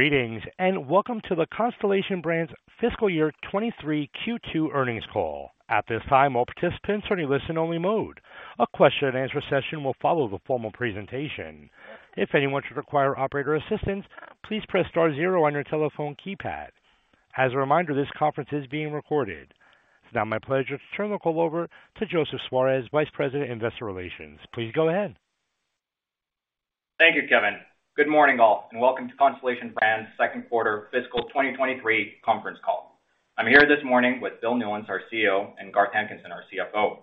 Greetings, and welcome to the Constellation Brands Fiscal Year 2023 Q2 earnings call. At this time, all participants are in listen-only mode. A question-and-answer session will follow the formal presentation. If anyone should require operator assistance, please press star zero on your telephone keypad. As a reminder, this conference is being recorded. It's now my pleasure to turn the call over to Joseph Suarez, Vice President, Investor Relations. Please go ahead. Thank you, Kevin. Good morning, all, and welcome to Constellation Brands second quarter fiscal 2023 conference call. I'm here this morning with Bill Newlands, our CEO, and Garth Hankinson, our CFO.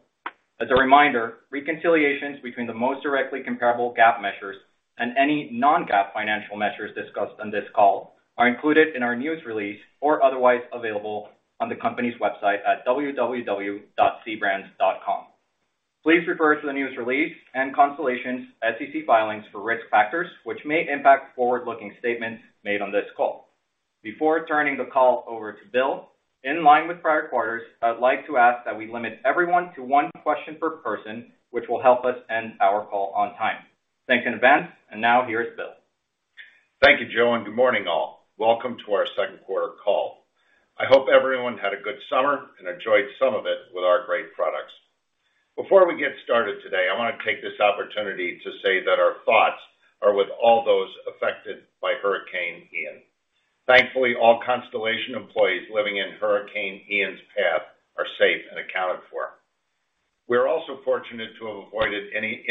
As a reminder, reconciliations between the most directly comparable GAAP measures and any non-GAAP financial measures discussed on this call are included in our news release or otherwise available on the company's website at www.cbrands.com. Please refer to the news release and Constellation's SEC filings for risk factors which may impact forward-looking statements made on this call. Before turning the call over to Bill, in line with prior quarters, I'd like to ask that we limit everyone to one question per person, which will help us end our call on time. Thanks in advance. Now here's Bill. Thank you, Joe, and good morning, all. Welcome to our second quarter call. I hope everyone had a good summer and enjoyed some of it with our great products. Before we get started today, I wanna take this opportunity to say that our thoughts are with all those affected by Hurricane Ian. Thankfully, all Constellation employees living in Hurricane Ian's path are safe and accounted for. We're also fortunate to have avoided any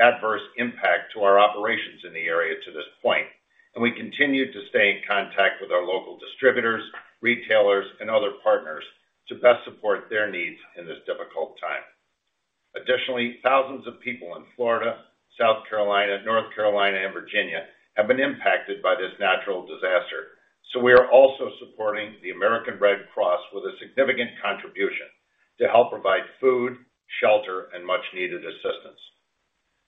adverse impact to our operations in the area to this point, and we continue to stay in contact with our local distributors, retailers, and other partners to best support their needs in this difficult time. Additionally, thousands of people in Florida, South Carolina, North Carolina, and Virginia have been impacted by this natural disaster, so we are also supporting the American Red Cross with a significant contribution to help provide food, shelter, and much needed assistance.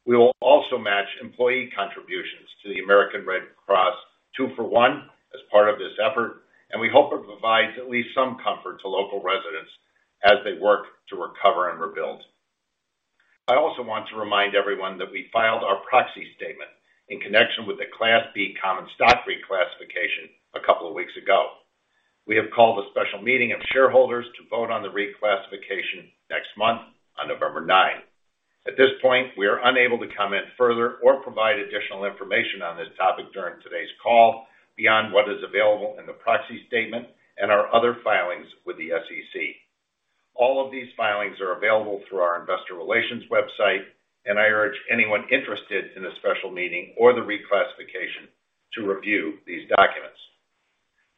We will also match employee contributions to the American Red Cross two-for-one as part of this effort, and we hope it provides at least some comfort to local residents as they work to recover and rebuild. I also want to remind everyone that we filed our proxy statement in connection with the Class B common stock reclassification a couple of weeks ago. We have called a special meeting of shareholders to vote on the reclassification next month on November 9. At this point, we are unable to comment further or provide additional information on this topic during today's call beyond what is available in the proxy statement and our other filings with the SEC. All of these filings are available through our investor relations website, and I urge anyone interested in a special meeting or the reclassification to review these documents.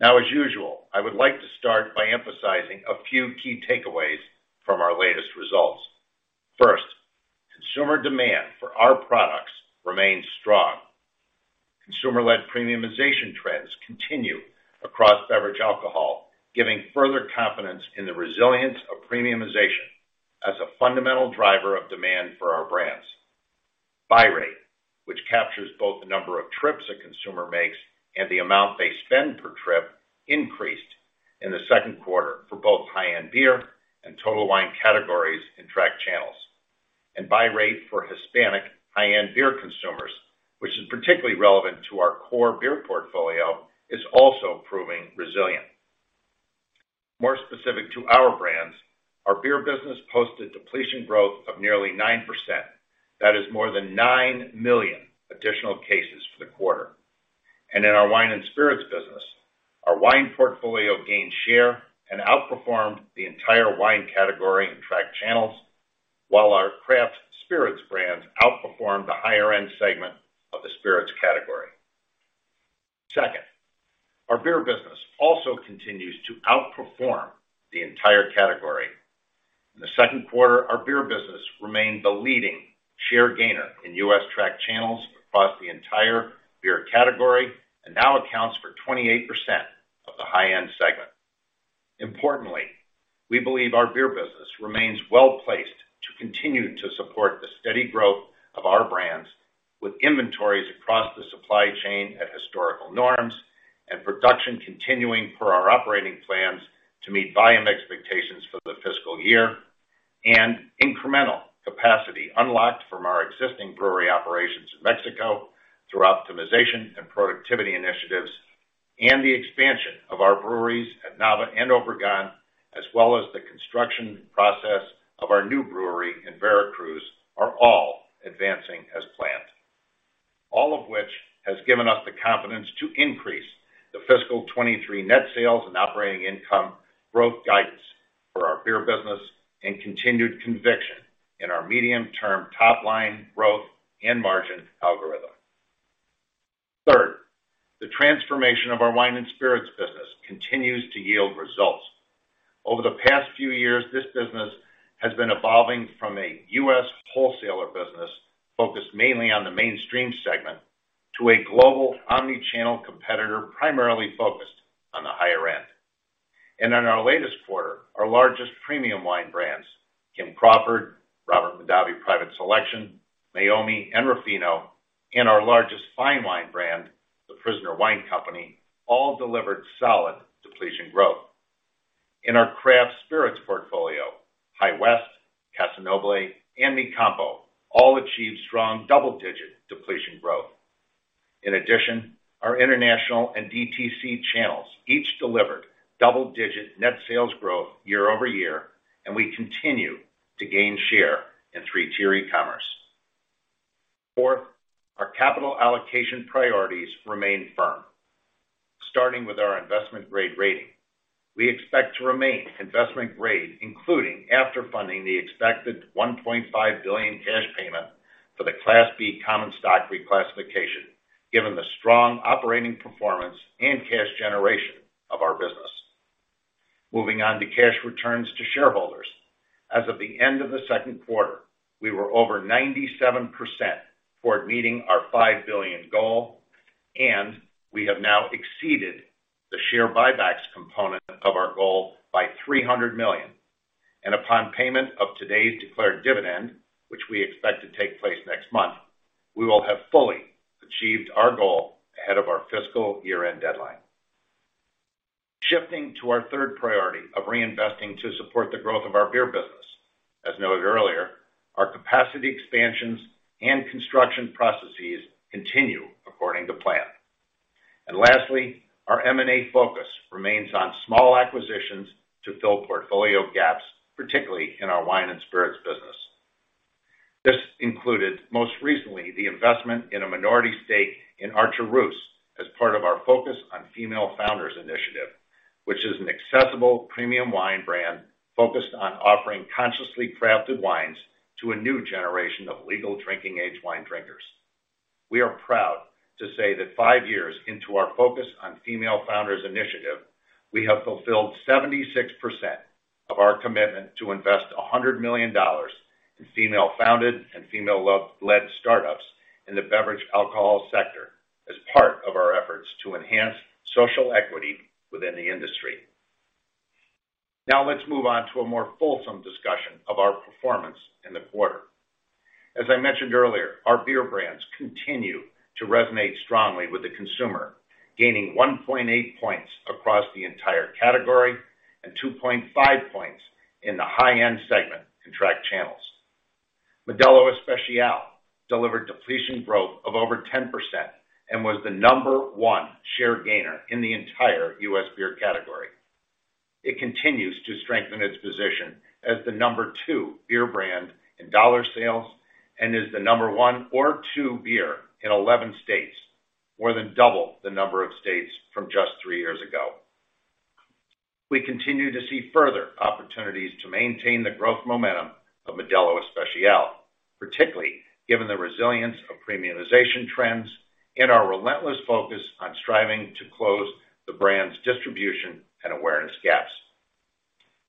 Now, as usual, I would like to start by emphasizing a few key takeaways from our latest results. First, consumer demand for our products remains strong. Consumer-led premiumization trends continue across beverage alcohol, giving further confidence in the resilience of premiumization as a fundamental driver of demand for our brands. Buy rate, which captures both the number of trips a consumer makes and the amount they spend per trip, increased in the second quarter for both high-end beer and total wine categories in tracked channels. Buy rate for Hispanic high-end beer consumers, which is particularly relevant to our core beer portfolio, is also proving resilient. More specific to our brands, our beer business posted depletion growth of nearly 9%. That is more than 9 million additional cases for the quarter. In our wine and spirits business, our wine portfolio gained share and outperformed the entire wine category in tracked channels, while our craft spirits brands outperformed the higher end segment of the spirits category. Second, our beer business also continues to outperform the entire category. In the second quarter, our beer business remained the leading share gainer in U.S. tracked channels across the entire beer category, and now accounts for 28% of the high-end segment. Importantly, we believe our beer business remains well-placed to continue to support the steady growth of our brands with inventories across the supply chain at historical norms and production continuing for our operating plans to meet volume expectations for the fiscal year. Incremental capacity unlocked from our existing brewery operations in Mexico through optimization and productivity initiatives and the expansion of our breweries at Nava and Obregon, as well as the construction process of our new brewery in Veracruz, are all advancing as planned. All of which has given us the confidence to increase the fiscal 2023 net sales and operating income growth guidance for our beer business and continued conviction in our medium-term top-line growth and margin algorithm. Third, the transformation of our wine and spirits business continues to yield results. Over the past few years, this business has been evolving from a U.S. wholesaler business focused mainly on the mainstream segment to a global omni-channel competitor, primarily focused on the higher end. In our latest quarter, our largest premium wine brands, Kim Crawford, Robert Mondavi Private Selection, Meiomi, and Ruffino, and our largest fine wine brand, The Prisoner Wine Company, all delivered solid depletion growth. In our craft spirits portfolio, High West, Casa Noble and Mi CAMPO all achieved strong double-digit depletion growth. In addition, our international and DTC channels each delivered double-digit net sales growth year-over-year, and we continue to gain share in three-tier e-commerce. Fourth, our capital allocation priorities remain firm, starting with our investment-grade rating. We expect to remain investment-grade, including after funding the expected $1.5 billion cash payment for the Class B common stock reclassification, given the strong operating performance and cash generation of our business. Moving on to cash returns to shareholders. As of the end of the second quarter, we were over 97% toward meeting our $5 billion goal, and we have now exceeded the share buybacks component of our goal by $300 million. Upon payment of today's declared dividend, which we expect to take place next month, we will have fully achieved our goal ahead of our fiscal year-end deadline. Shifting to our third priority of reinvesting to support the growth of our beer business. As noted earlier, our capacity expansions and construction processes continue according to plan. Lastly, our M&A focus remains on small acquisitions to fill portfolio gaps, particularly in our wine and spirits business. This included, most recently, the investment in a minority stake in Archer Roose as part of our Focus on Female Founders initiative, which is an accessible premium wine brand focused on offering consciously crafted wines to a new generation of legal drinking age wine drinkers. We are proud to say that five years into our Focus on Female Founders initiative, we have fulfilled 76% of our commitment to invest $100 million in female-founded and female-led startups in the beverage alcohol sector as part of our efforts to enhance social equity within the industry. Now, let's move on to a more fulsome discussion of our performance in the quarter. As I mentioned earlier, our beer brands continue to resonate strongly with the consumer, gaining 1.8 points across the entire category and 2.5 points in the high-end segment in tracked channels. Modelo Especial delivered depletion growth of over 10% and was the number one share gainer in the entire U.S. beer category. It continues to strengthen its position as the number two beer brand in dollar sales and is the number one or two beer in 11 states, more than double the number of states from just three years ago. We continue to see further opportunities to maintain the growth momentum of Modelo Especial, particularly given the resilience of premiumization trends and our relentless focus on striving to close the brand's distribution and awareness gaps.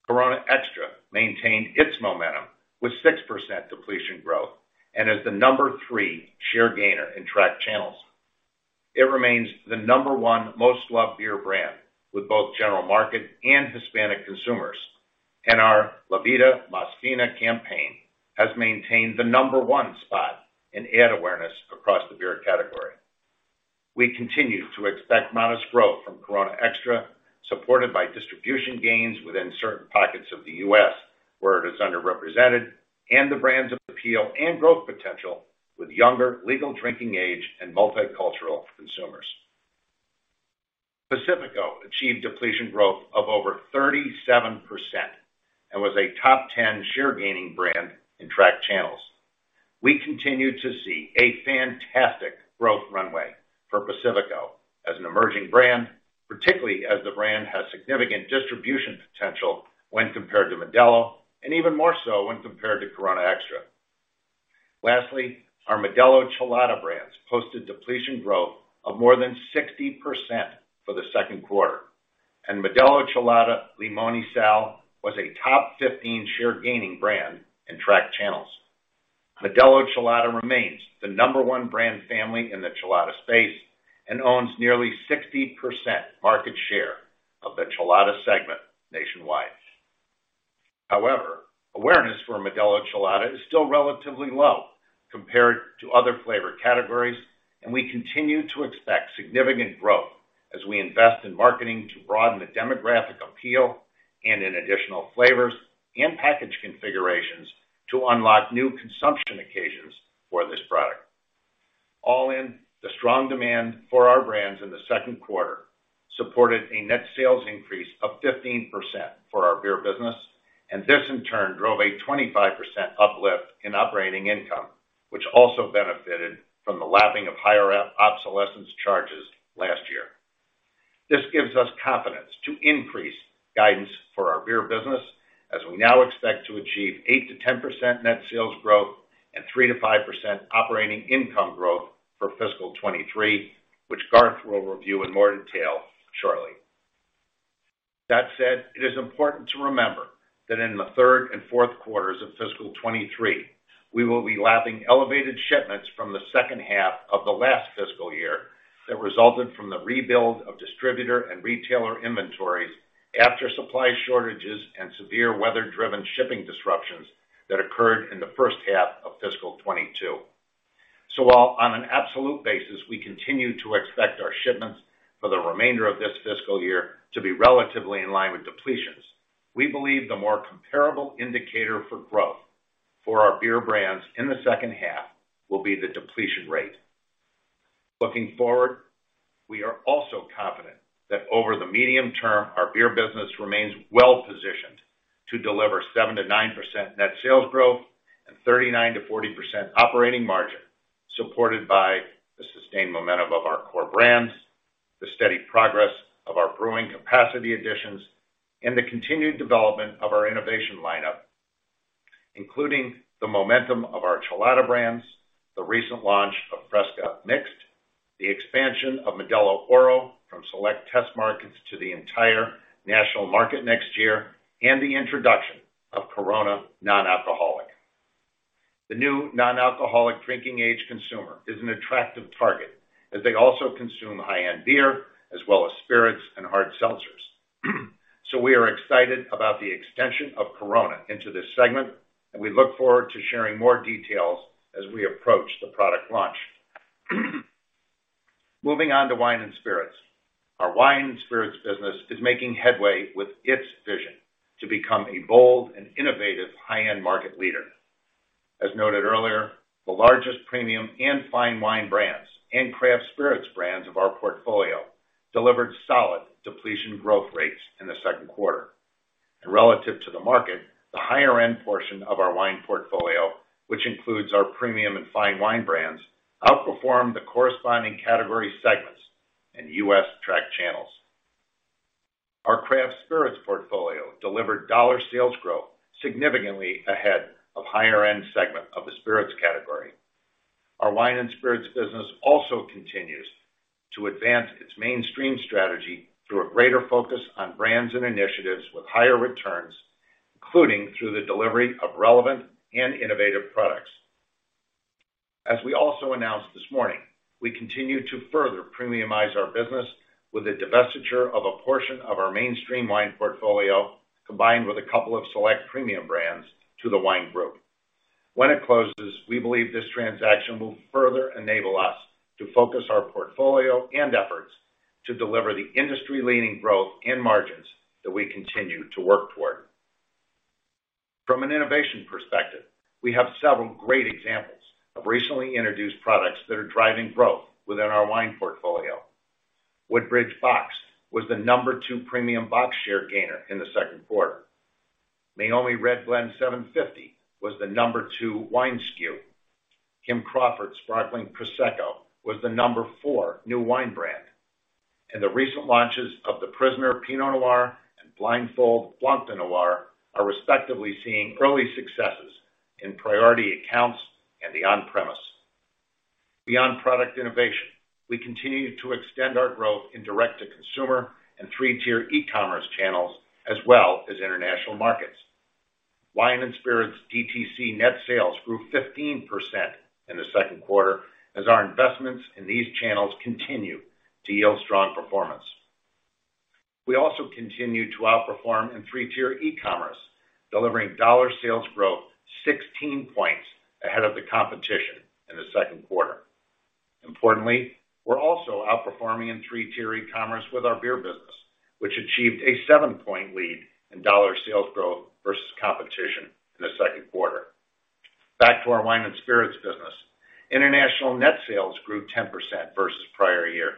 Corona Extra maintained its momentum with 6% depletion growth and is the number three share gainer in tracked channels. It remains the number one most loved beer brand with both general market and Hispanic consumers, and our La Vida Más Fina campaign has maintained the number one spot in ad awareness across the beer category. We continue to expect modest growth from Corona Extra, supported by distribution gains within certain pockets of the U.S. where it is underrepresented, and the brand's appeal and growth potential with younger, legal drinking age, and multicultural consumers. Pacifico achieved depletion growth of over 37% and was a top 10 share gaining brand in tracked channels. We continue to see a fantastic growth runway for Pacifico as an emerging brand, particularly as the brand has significant distribution potential when compared to Modelo, and even more so when compared to Corona Extra. Lastly, our Modelo Chelada brands posted depletion growth of more than 60% for the second quarter, and Modelo Chelada Limón y Sal was a top 15 share gaining brand in tracked channels. Modelo Chelada remains the No. 1 brand family in the Chelada space and owns nearly 60% market share of the Chelada segment nationwide. However, awareness for Modelo Chelada is still relatively low compared to other flavor categories, and we continue to expect significant growth as we invest in marketing to broaden the demographic appeal and in additional flavors and package configurations to unlock new consumption occasions for this product. All in, the strong demand for our brands in the second quarter supported a net sales increase of 15% for our beer business, and this in turn drove a 25% uplift in operating income, which also benefited from the lapping of higher obsolescence charges last year. This gives us confidence to increase guidance for our beer business as we now expect to achieve 8%-10% net sales growth and 3%-5% operating income growth for fiscal 2023, which Garth will review in more detail shortly. That said, it is important to remember that in the third and fourth quarters of fiscal 2023, we will be lapping elevated shipments from the second half of the last fiscal year that resulted from the rebuild of distributor and retailer inventories after supply shortages and severe weather-driven shipping disruptions that occurred in the first half of fiscal 2022. While on an absolute basis, we continue to expect our shipments for the remainder of this fiscal year to be relatively in line with depletions, we believe the more comparable indicator for growth for our beer brands in the second half will be the depletion rate. Looking forward, we are also confident that over the medium term, our beer business remains well-positioned to deliver 7%-9% net sales growth and 39%-40% operating margin, supported by the sustained momentum of our core brands, the steady progress of our brewing capacity additions, and the continued development of our innovation lineup, including the momentum of our Chelada brands, the recent launch of FRESCA Mixed, the expansion of Modelo Oro from select test markets to the entire national market next year, and the introduction of Corona Non-Alcoholic. The new non-alcoholic drinking age consumer is an attractive target, as they also consume high-end beer as well as spirits and hard seltzers. We are excited about the extension of Corona into this segment, and we look forward to sharing more details as we approach the product launch. Moving on to wine and spirits. Our wine and spirits business is making headway with its vision to become a bold and innovative high-end market leader. As noted earlier, the largest premium and fine wine brands and craft spirits brands of our portfolio delivered solid depletion growth rates in the second quarter. Relative to the market, the higher-end portion of our wine portfolio, which includes our premium and fine wine brands, outperformed the corresponding category segments in U.S. tracked channels. Our craft spirits portfolio delivered dollar sales growth significantly ahead of higher-end segment of the spirits category. Our wine and spirits business also continues to advance its mainstream strategy through a greater focus on brands and initiatives with higher returns, including through the delivery of relevant and innovative products. As we also announced this morning, we continue to further premiumize our business with the divestiture of a portion of our mainstream wine portfolio, combined with a couple of select premium brands to The Wine Group. When it closes, we believe this transaction will further enable us to focus our portfolio and efforts to deliver the industry-leading growth and margins that we continue to work toward. From an innovation perspective, we have several great examples of recently introduced products that are driving growth within our wine portfolio. Woodbridge Boxed was the No. 2 premium box share gainer in the second quarter. Meiomi Red Blend 750 was the No. 2 wine SKU. Kim Crawford Prosecco was the No. 4 new wine brand. The recent launches of The Prisoner Pinot Noir and Blindfold Blanc de Noir are respectively seeing early successes in priority accounts and the on-premise. Beyond product innovation, we continue to extend our growth in direct-to-consumer and three-tier e-commerce channels, as well as international markets. Wine and Spirits DTC net sales grew 15% in the second quarter as our investments in these channels continue to yield strong performance. We also continue to outperform in three-tier e-commerce, delivering dollar sales growth 16 points ahead of the competition in the second quarter. Importantly, we're also outperforming in three-tier e-commerce with our beer business, which achieved a 7-point lead in dollar sales growth versus competition in the second quarter. Back to our wine and spirits business. International net sales grew 10% versus prior year,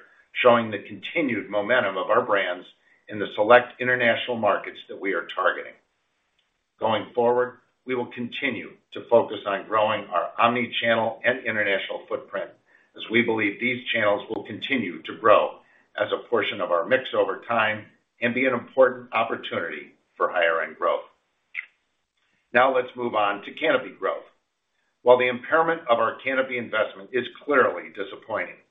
showing the continued momentum of our brands in the select international markets that we are targeting. Going forward, we will continue to focus on growing our omni-channel and international footprint as we believe these channels will continue to grow as a portion of our mix over time and be an important opportunity for higher-end growth. Now let's move on to Canopy Growth. While the impairment of our Canopy investment is clearly disappointing,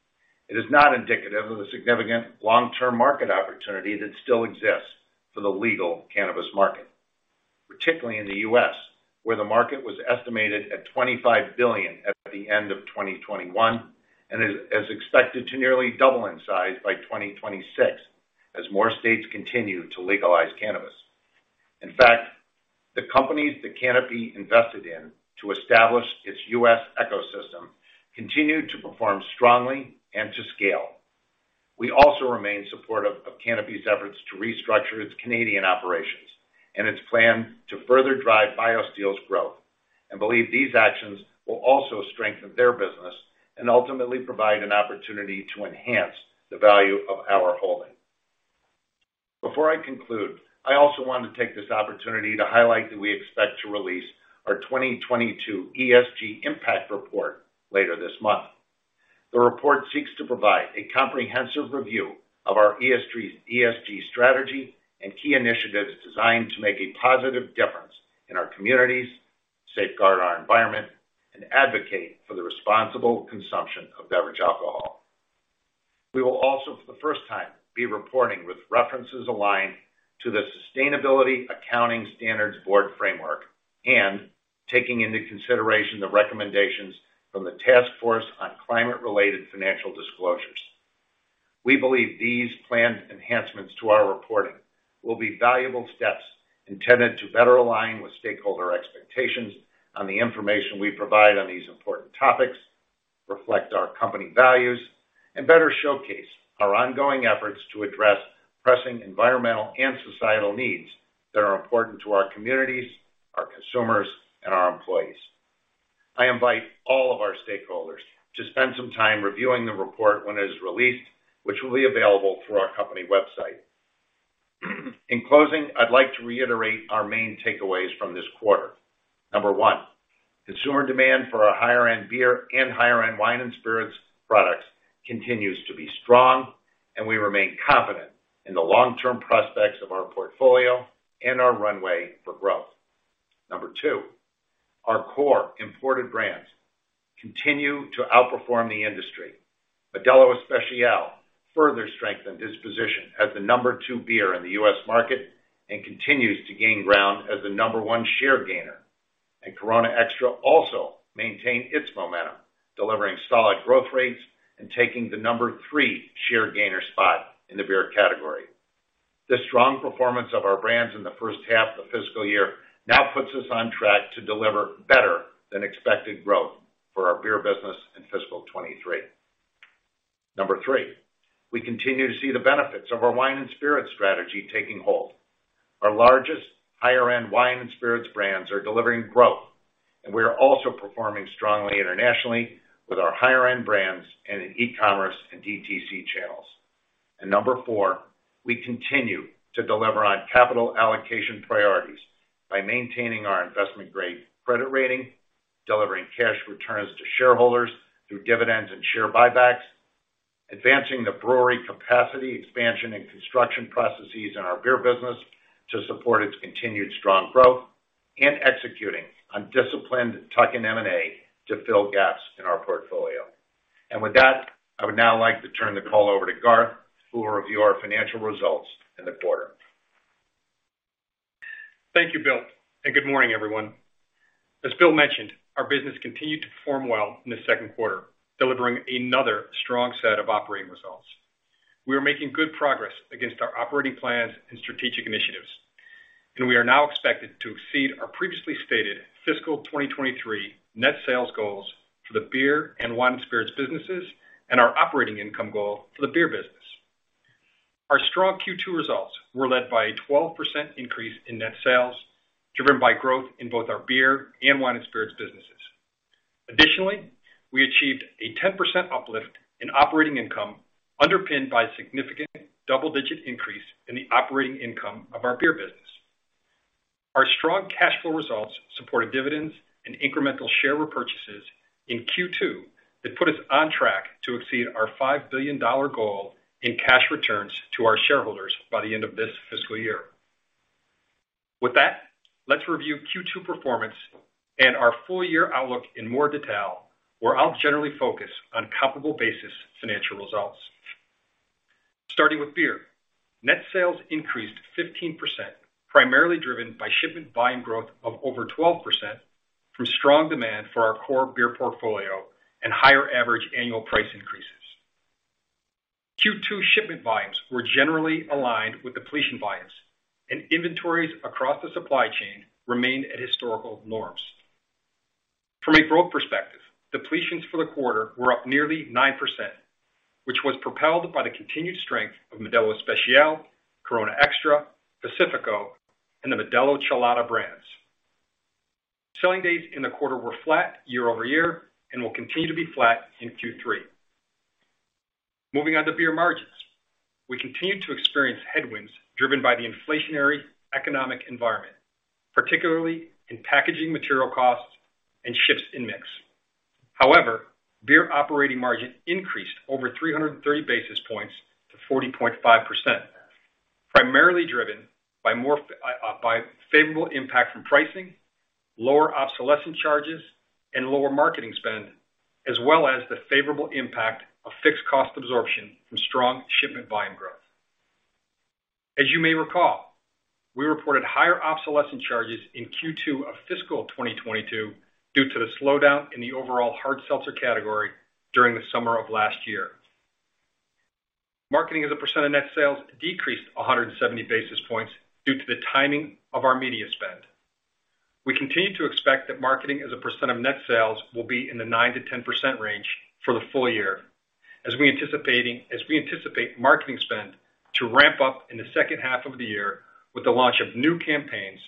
it is not indicative of the significant long-term market opportunity that still exists for the legal cannabis market, particularly in the U.S., where the market was estimated at $25 billion at the end of 2021 and is expected to nearly double in size by 2026 as more states continue to legalize cannabis. In fact, the companies that Canopy invested in to establish its U.S. ecosystem continued to perform strongly and to scale. We also remain supportive of Canopy's efforts to restructure its Canadian operations and its plan to further drive BioSteel's growth, and believe these actions will also strengthen their business and ultimately provide an opportunity to enhance the value of our holding. Before I conclude, I also want to take this opportunity to highlight that we expect to release our 2022 ESG Impact Report later this month. The report seeks to provide a comprehensive review of our ESG strategy and key initiatives designed to make a positive difference in our communities, safeguard our environment, and advocate for the responsible consumption of beverage alcohol. We will also, for the first time, be reporting with references aligned to the Sustainability Accounting Standards Board framework and taking into consideration the recommendations from the Task Force on Climate-related Financial Disclosures. We believe these planned enhancements to our reporting will be valuable steps intended to better align with stakeholder expectations on the information we provide on these important topics, reflect our company values, and better showcase our ongoing efforts to address pressing environmental and societal needs that are important to our communities, our consumers, and our employees. I invite all of our stakeholders to spend some time reviewing the report when it is released, which will be available through our company website. In closing, I'd like to reiterate our main takeaways from this quarter. Number one, consumer demand for our higher-end beer and higher-end wine and spirits products continues to be strong, and we remain confident in the long-term prospects of our portfolio and our runway for growth. Number two, our core imported brands continue to outperform the industry. Modelo Especial further strengthened its position as the number two beer in the U.S. market and continues to gain ground as the number one share gainer. Corona Extra also maintained its momentum, delivering solid growth rates and taking the number three share gainer spot in the beer category. The strong performance of our brands in the first half of fiscal year now puts us on track to deliver better than expected growth for our beer business in fiscal 2023. Number three, we continue to see the benefits of our wine and spirits strategy taking hold. Our largest higher-end wine and spirits brands are delivering growth, and we are also performing strongly internationally with our higher-end brands and in e-commerce and DTC channels. Number four, we continue to deliver on capital allocation priorities by maintaining our investment-grade credit rating, delivering cash returns to shareholders through dividends and share buybacks, advancing the brewery capacity expansion and construction processes in our beer business to support its continued strong growth, and executing on disciplined tuck-in M&A to fill gaps in our portfolio. With that, I would now like to turn the call over to Garth, who will review our financial results in the quarter. Thank you, Bill, and good morning, everyone. As Bill mentioned, our business continued to perform well in the second quarter, delivering another strong set of operating results. We are making good progress against our operating plans and strategic initiatives, and we are now expected to exceed our previously stated fiscal 2023 net sales goals for the beer and wine and spirits businesses and our operating income goal for the beer business. Our strong Q2 results were led by a 12% increase in net sales, driven by growth in both our beer and wine and spirits businesses. Additionally, we achieved a 10% uplift in operating income, underpinned by a significant double-digit increase in the operating income of our beer business. Our strong cash flow results supported dividends and incremental share repurchases in Q2 that put us on track to exceed our $5 billion goal in cash returns to our shareholders by the end of this fiscal year. With that, let's review Q2 performance and our full-year outlook in more detail, where I'll generally focus on comparable basis financial results. Starting with beer. Net sales increased 15%, primarily driven by shipment volume growth of over 12% from strong demand for our core beer portfolio and higher average annual price increases. Q2 shipment volumes were generally aligned with depletion volumes, and inventories across the supply chain remained at historical norms. From a growth perspective, depletions for the quarter were up nearly 9%, which was propelled by the continued strength of Modelo Especial, Corona Extra, Pacifico, and the Modelo Chelada brands. Selling days in the quarter were flat year-over-year and will continue to be flat in Q3. Moving on to beer margins. We continue to experience headwinds driven by the inflationary economic environment, particularly in packaging material costs and shifts in mix. However, beer operating margin increased over 330 basis points to 40.5%, primarily driven by favorable impact from pricing, lower obsolescence charges, and lower marketing spend, as well as the favorable impact of fixed cost absorption from strong shipment volume growth. As you may recall, we reported higher obsolescence charges in Q2 of fiscal 2022 due to the slowdown in the overall hard seltzer category during the summer of last year. Marketing as a percent of net sales decreased 170 basis points due to the timing of our media spend. We continue to expect that marketing as a percent of net sales will be in the 9%-10% range for the full year as we anticipate marketing spend to ramp up in the second half of the year with the launch of new campaigns,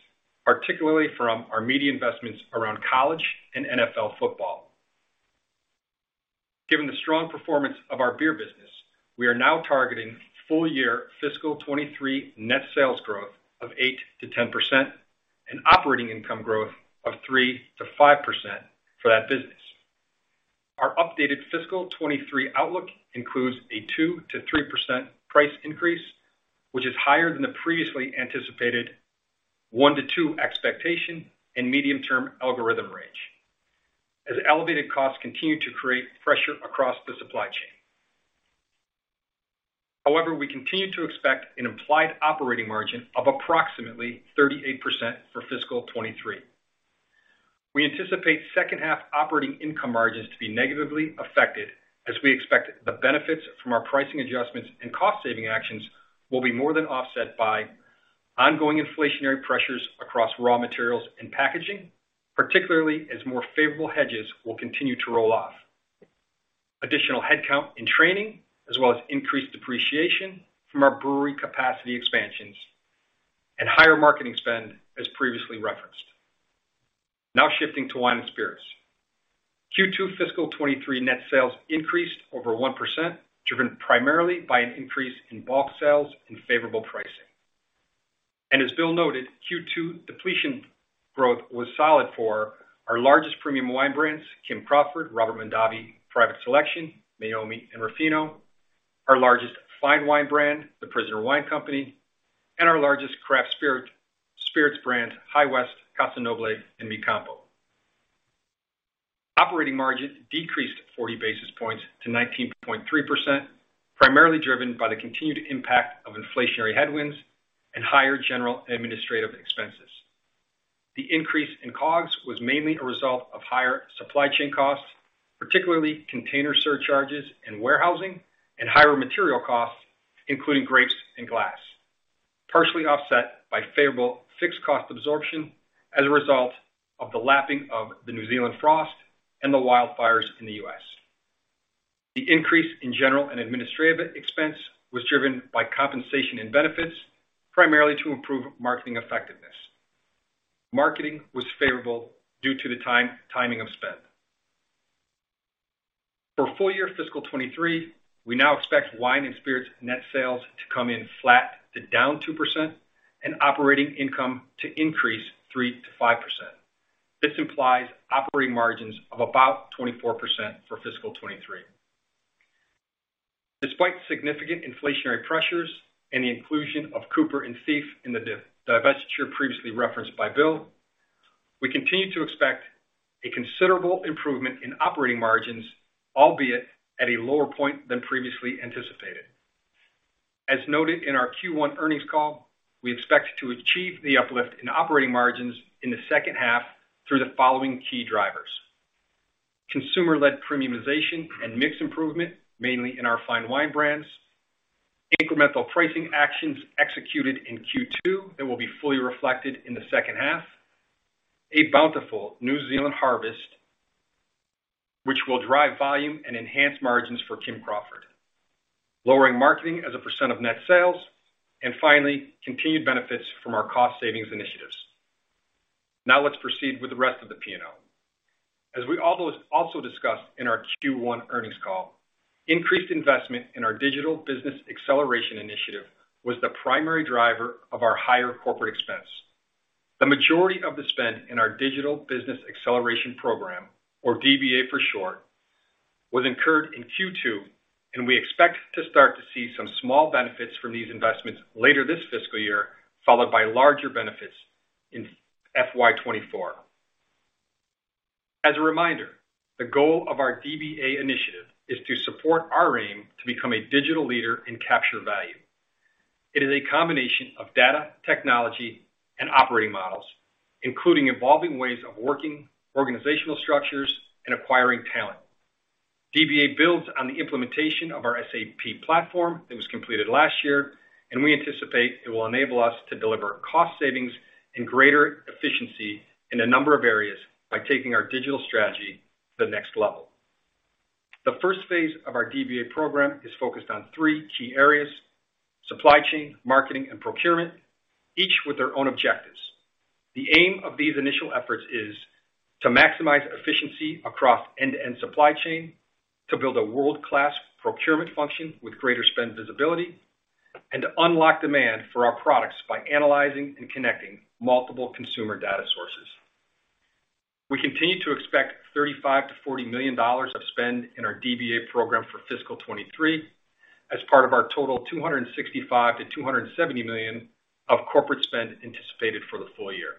particularly from our media investments around college and NFL football. Given the strong performance of our beer business, we are now targeting full-year fiscal 2023 net sales growth of 8%-10% and operating income growth of 3%-5% for that business. Our updated fiscal 2023 outlook includes a 2%-3% price increase, which is higher than the previously anticipated 1%-2% expectation and medium-term algorithm range as elevated costs continue to create pressure across the supply chain. However, we continue to expect an implied operating margin of approximately 38% for fiscal 2023. We anticipate second half operating income margins to be negatively affected, as we expect the benefits from our pricing adjustments and cost saving actions will be more than offset by ongoing inflationary pressures across raw materials and packaging, particularly as more favorable hedges will continue to roll off. Additional headcount and training, as well as increased depreciation from our brewery capacity expansions and higher marketing spend as previously referenced. Now shifting to wine and spirits. Q2 fiscal 2023 net sales increased over 1%, driven primarily by an increase in bulk sales and favorable pricing. As Bill noted, Q2 depletion growth was solid for our largest premium wine brands, Kim Crawford, Robert Mondavi Private Selection, Meiomi and Ruffino, our largest fine wine brand, The Prisoner Wine Company, and our largest craft spirits brand, High West, Casa Noble, and Mi CAMPO. Operating margin decreased 40 basis points to 19.3%, primarily driven by the continued impact of inflationary headwinds and higher general and administrative expenses. The increase in COGS was mainly a result of higher supply chain costs, particularly container surcharges and warehousing and higher material costs, including grapes and glass, partially offset by favorable fixed cost absorption as a result of the lapping of the New Zealand frost and the wildfires in the U.S. The increase in general and administrative expense was driven by compensation and benefits, primarily to improve marketing effectiveness. Marketing was favorable due to the timing of spend. For full year fiscal 2023, we now expect wine and spirits net sales to come in flat to down 2% and operating income to increase 3%-5%. This implies operating margins of about 24% for fiscal 2023. Despite significant inflationary pressures and the inclusion of Cooper and Thief in the divestiture previously referenced by Bill, we continue to expect a considerable improvement in operating margins, albeit at a lower point than previously anticipated. As noted in our Q1 earnings call, we expect to achieve the uplift in operating margins in the second half through the following key drivers. Consumer-led premiumization and mix improvement, mainly in our fine wine brands. Incremental pricing actions executed in Q2 that will be fully reflected in the second half. A bountiful New Zealand harvest, which will drive volume and enhance margins for Kim Crawford. Lowering marketing as a percent of net sales. Finally, continued benefits from our cost savings initiatives. Now let's proceed with the rest of the P&L. As we also discussed in our Q1 earnings call, increased investment in our digital business acceleration initiative was the primary driver of our higher corporate expense. The majority of the spend in our digital business acceleration program, or DBA for short, was incurred in Q2, and we expect to start to see some small benefits from these investments later this fiscal year, followed by larger benefits in FY 2024. As a reminder, the goal of our DBA initiative is to support our aim to become a digital leader and capture value. It is a combination of data, technology, and operating models, including evolving ways of working, organizational structures and acquiring talent. DBA builds on the implementation of our SAP platform that was completed last year, and we anticipate it will enable us to deliver cost savings and greater efficiency in a number of areas by taking our digital strategy to the next level. The first phase of our DBA program is focused on three key areas, supply chain, marketing, and procurement, each with their own objectives. The aim of these initial efforts is to maximize efficiency across end-to-end supply chain, to build a world-class procurement function with greater spend visibility, and to unlock demand for our products by analyzing and connecting multiple consumer data sources. We continue to expect $35 million-$40 million of spend in our DBA program for fiscal 2023 as part of our total $265 million-$270 million of corporate spend anticipated for the full year.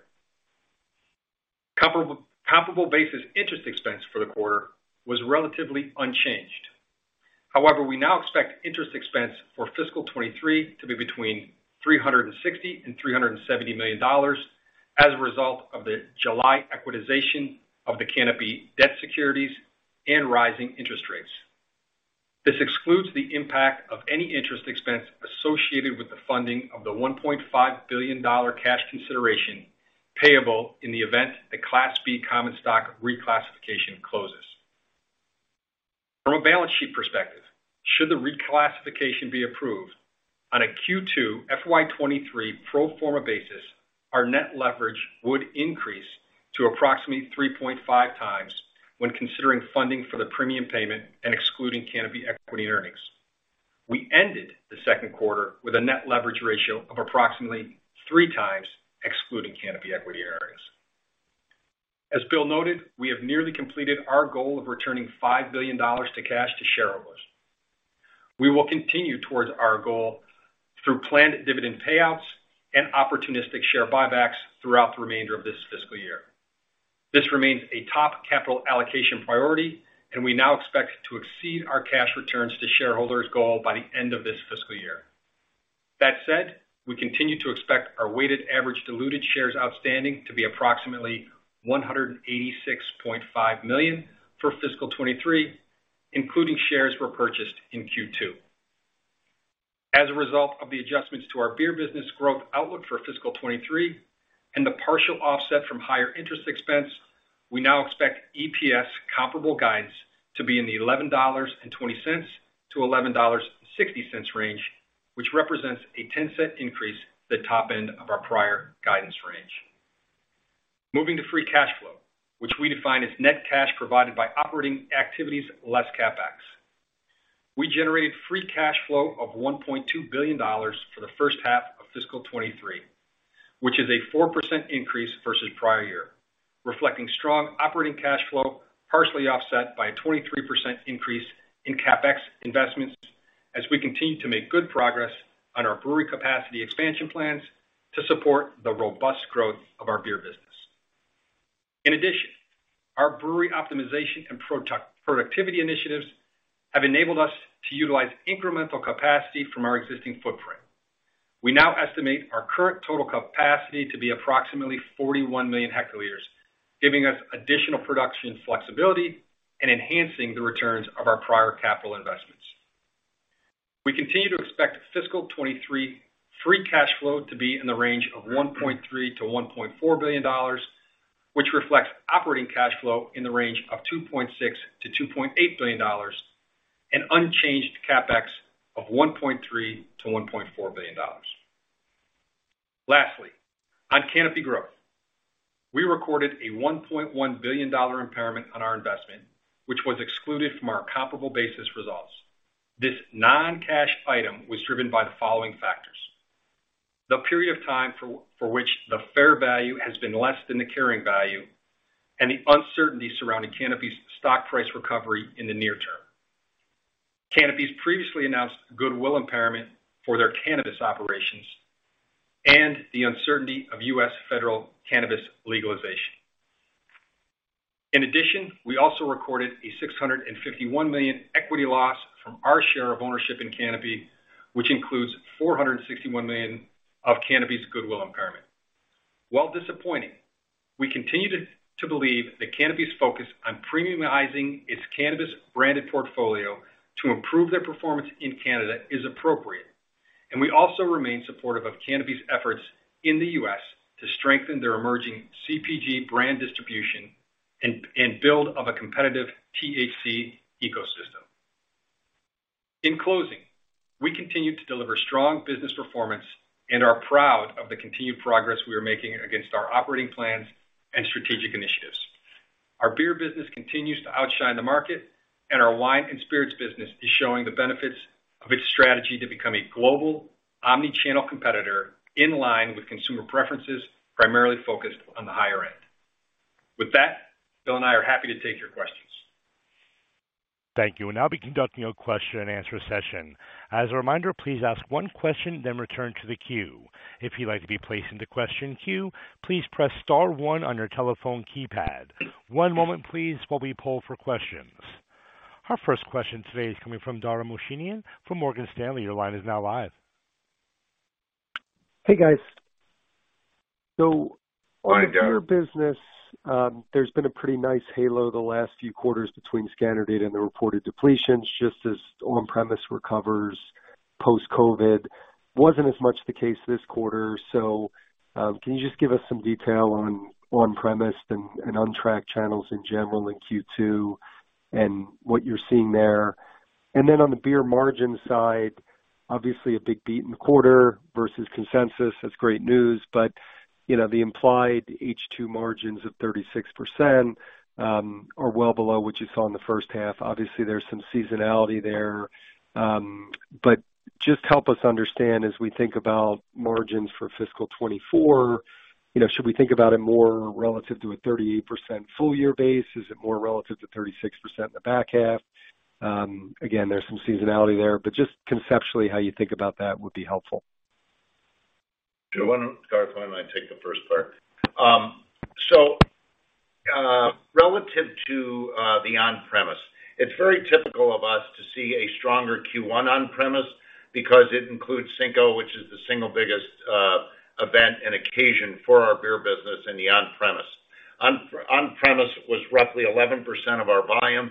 Comparable basis interest expense for the quarter was relatively unchanged. However, we now expect interest expense for fiscal 2023 to be between $360 million and $370 million as a result of the July acquisition of the Canopy debt securities and rising interest rates. This excludes the impact of any interest expense associated with the funding of the $1.5 billion cash consideration payable in the event the Class B common stock reclassification closes. From a balance sheet perspective, should the reclassification be approved on a Q2 FY 2023 pro forma basis, our net leverage would increase to approximately 3.5x when considering funding for the premium payment and excluding Canopy equity earnings. We ended the second quarter with a net leverage ratio of approximately 3x, excluding Canopy equity earnings. As Bill noted, we have nearly completed our goal of returning $5 billion in cash to shareholders. We will continue towards our goal through planned dividend payouts and opportunistic share buybacks throughout the remainder of this fiscal year. This remains a top capital allocation priority, and we now expect to exceed our cash returns to shareholders goal by the end of this fiscal year. That said, we continue to expect our weighted average diluted shares outstanding to be approximately 186.5 million for fiscal 2023, including shares we purchased in Q2. As a result of the adjustments to our beer business growth outlook for fiscal 2023 and the partial offset from higher interest expense, we now expect EPS comparable guidance to be in the $11.20-$11.60 range, which represents a 10-cent increase at the top end of our prior guidance range. Moving to free cash flow, which we define as net cash provided by operating activities less CapEx. We generated free cash flow of $1.2 billion for the first half of fiscal 2023, which is a 4% increase versus prior year, reflecting strong operating cash flow, partially offset by a 23% increase in CapEx investments as we continue to make good progress on our brewery capacity expansion plans to support the robust growth of our beer business. In addition, our brewery optimization and product productivity initiatives have enabled us to utilize incremental capacity from our existing footprint. We now estimate our current total capacity to be approximately 41 million hectoliters, giving us additional production flexibility and enhancing the returns of our prior capital investments. We continue to expect fiscal 2023 free cash flow to be in the range of $1.3 billion-$1.4 billion, which reflects operating cash flow in the range of $2.6 billion-$2.8 billion, an unchanged CapEx of $1.3 billion-$1.4 billion. Lastly, on Canopy Growth, we recorded a $1.1 billion impairment on our investment, which was excluded from our comparable basis results. This non-cash item was driven by the following factors. The period of time for which the fair value has been less than the carrying value and the uncertainty surrounding Canopy's stock price recovery in the near term. Canopy's previously announced goodwill impairment for their cannabis operations and the uncertainty of U.S. federal cannabis legalization. In addition, we also recorded a $651 million equity loss from our share of ownership in Canopy, which includes $461 million of Canopy's goodwill impairment. While disappointing, we continue to believe that Canopy's focus on premiumizing its cannabis branded portfolio to improve their performance in Canada is appropriate. We also remain supportive of Canopy's efforts in the U.S. to strengthen their emerging CPG brand distribution and build of a competitive THC ecosystem. In closing, we continue to deliver strong business performance and are proud of the continued progress we are making against our operating plans and strategic initiatives. Our beer business continues to outshine the market, and our wine and spirits business is showing the benefits of its strategy to become a global omni-channel competitor in line with consumer preferences, primarily focused on the higher end. With that, Bill and I are happy to take your questions. Thank you. We'll now be conducting a question-and-answer session. As a reminder, please ask one question then return to the queue. If you'd like to be placed into question queue, please press star one on your telephone keypad. One moment please, while we poll for questions. Our first question today is coming from Dara Mohsenian from Morgan Stanley. Your line is now live. Hey, guys. Hi, Dara. On your business, there's been a pretty nice halo the last few quarters between scanner data and the reported depletions, just as on-premise recovers post-COVID. Wasn't as much the case this quarter. Can you just give us some detail on on-premise and untracked channels in general in Q2 and what you're seeing there? On the beer margin side, obviously a big beat in the quarter versus consensus. That's great news. You know, the implied H2 margins of 36% are well below what you saw in the first half. Obviously, there's some seasonality there. Just help us understand as we think about margins for fiscal 2024, you know, should we think about it more relative to a 38% full year base? Is it more relative to 36% in the back half? Again, there's some seasonality there, but just conceptually how you think about that would be helpful. Dara, why don't I take the first part? Relative to the on-premise, it's very typical of us to see a stronger Q1 on-premise because it includes Cinco, which is the single biggest event and occasion for our beer business in the on-premise. On-premise was roughly 11% of our volume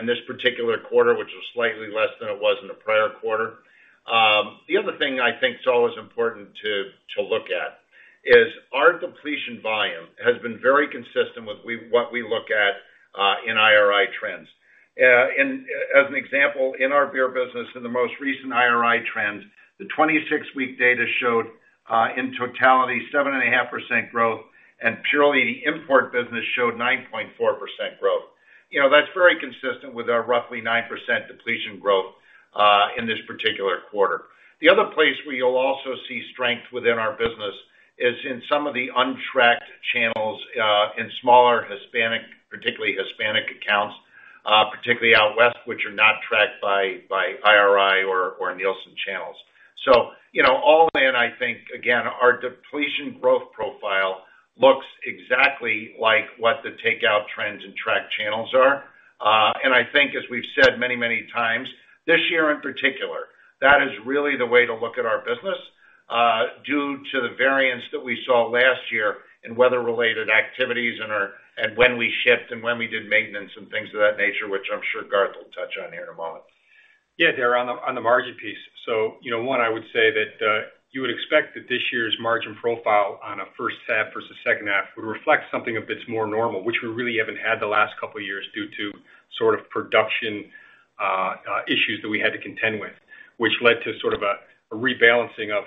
in this particular quarter, which was slightly less than it was in the prior quarter. The other thing I think is always important to look at is our consumption volume has been very consistent with what we look at in IRI trends. As an example, in our beer business, in the most recent IRI trends, the 26-week data showed, in totality, 7.5% growth, and purely the import business showed 9.4% growth. You know, that's very consistent with our roughly 9% depletion growth in this particular quarter. The other place where you'll also see strength within our business is in some of the untracked channels in smaller Hispanic, particularly Hispanic accounts, particularly out west, which are not tracked by IRI or Nielsen channels. You know, all in, I think, again, our depletion growth profile looks exactly like what the takeout trends and tracked channels are. I think as we've said many, many times, this year in particular, that is really the way to look at our business, due to the variance that we saw last year in weather-related activities and when we shipped and when we did maintenance and things of that nature, which I'm sure Garth will touch on here in a moment. Yeah, Dara, on the margin piece. You know, one, I would say that you would expect that this year's margin profile on a first half versus second half would reflect something a bit more normal, which we really haven't had the last couple of years due to sort of production issues that we had to contend with, which led to sort of a rebalancing of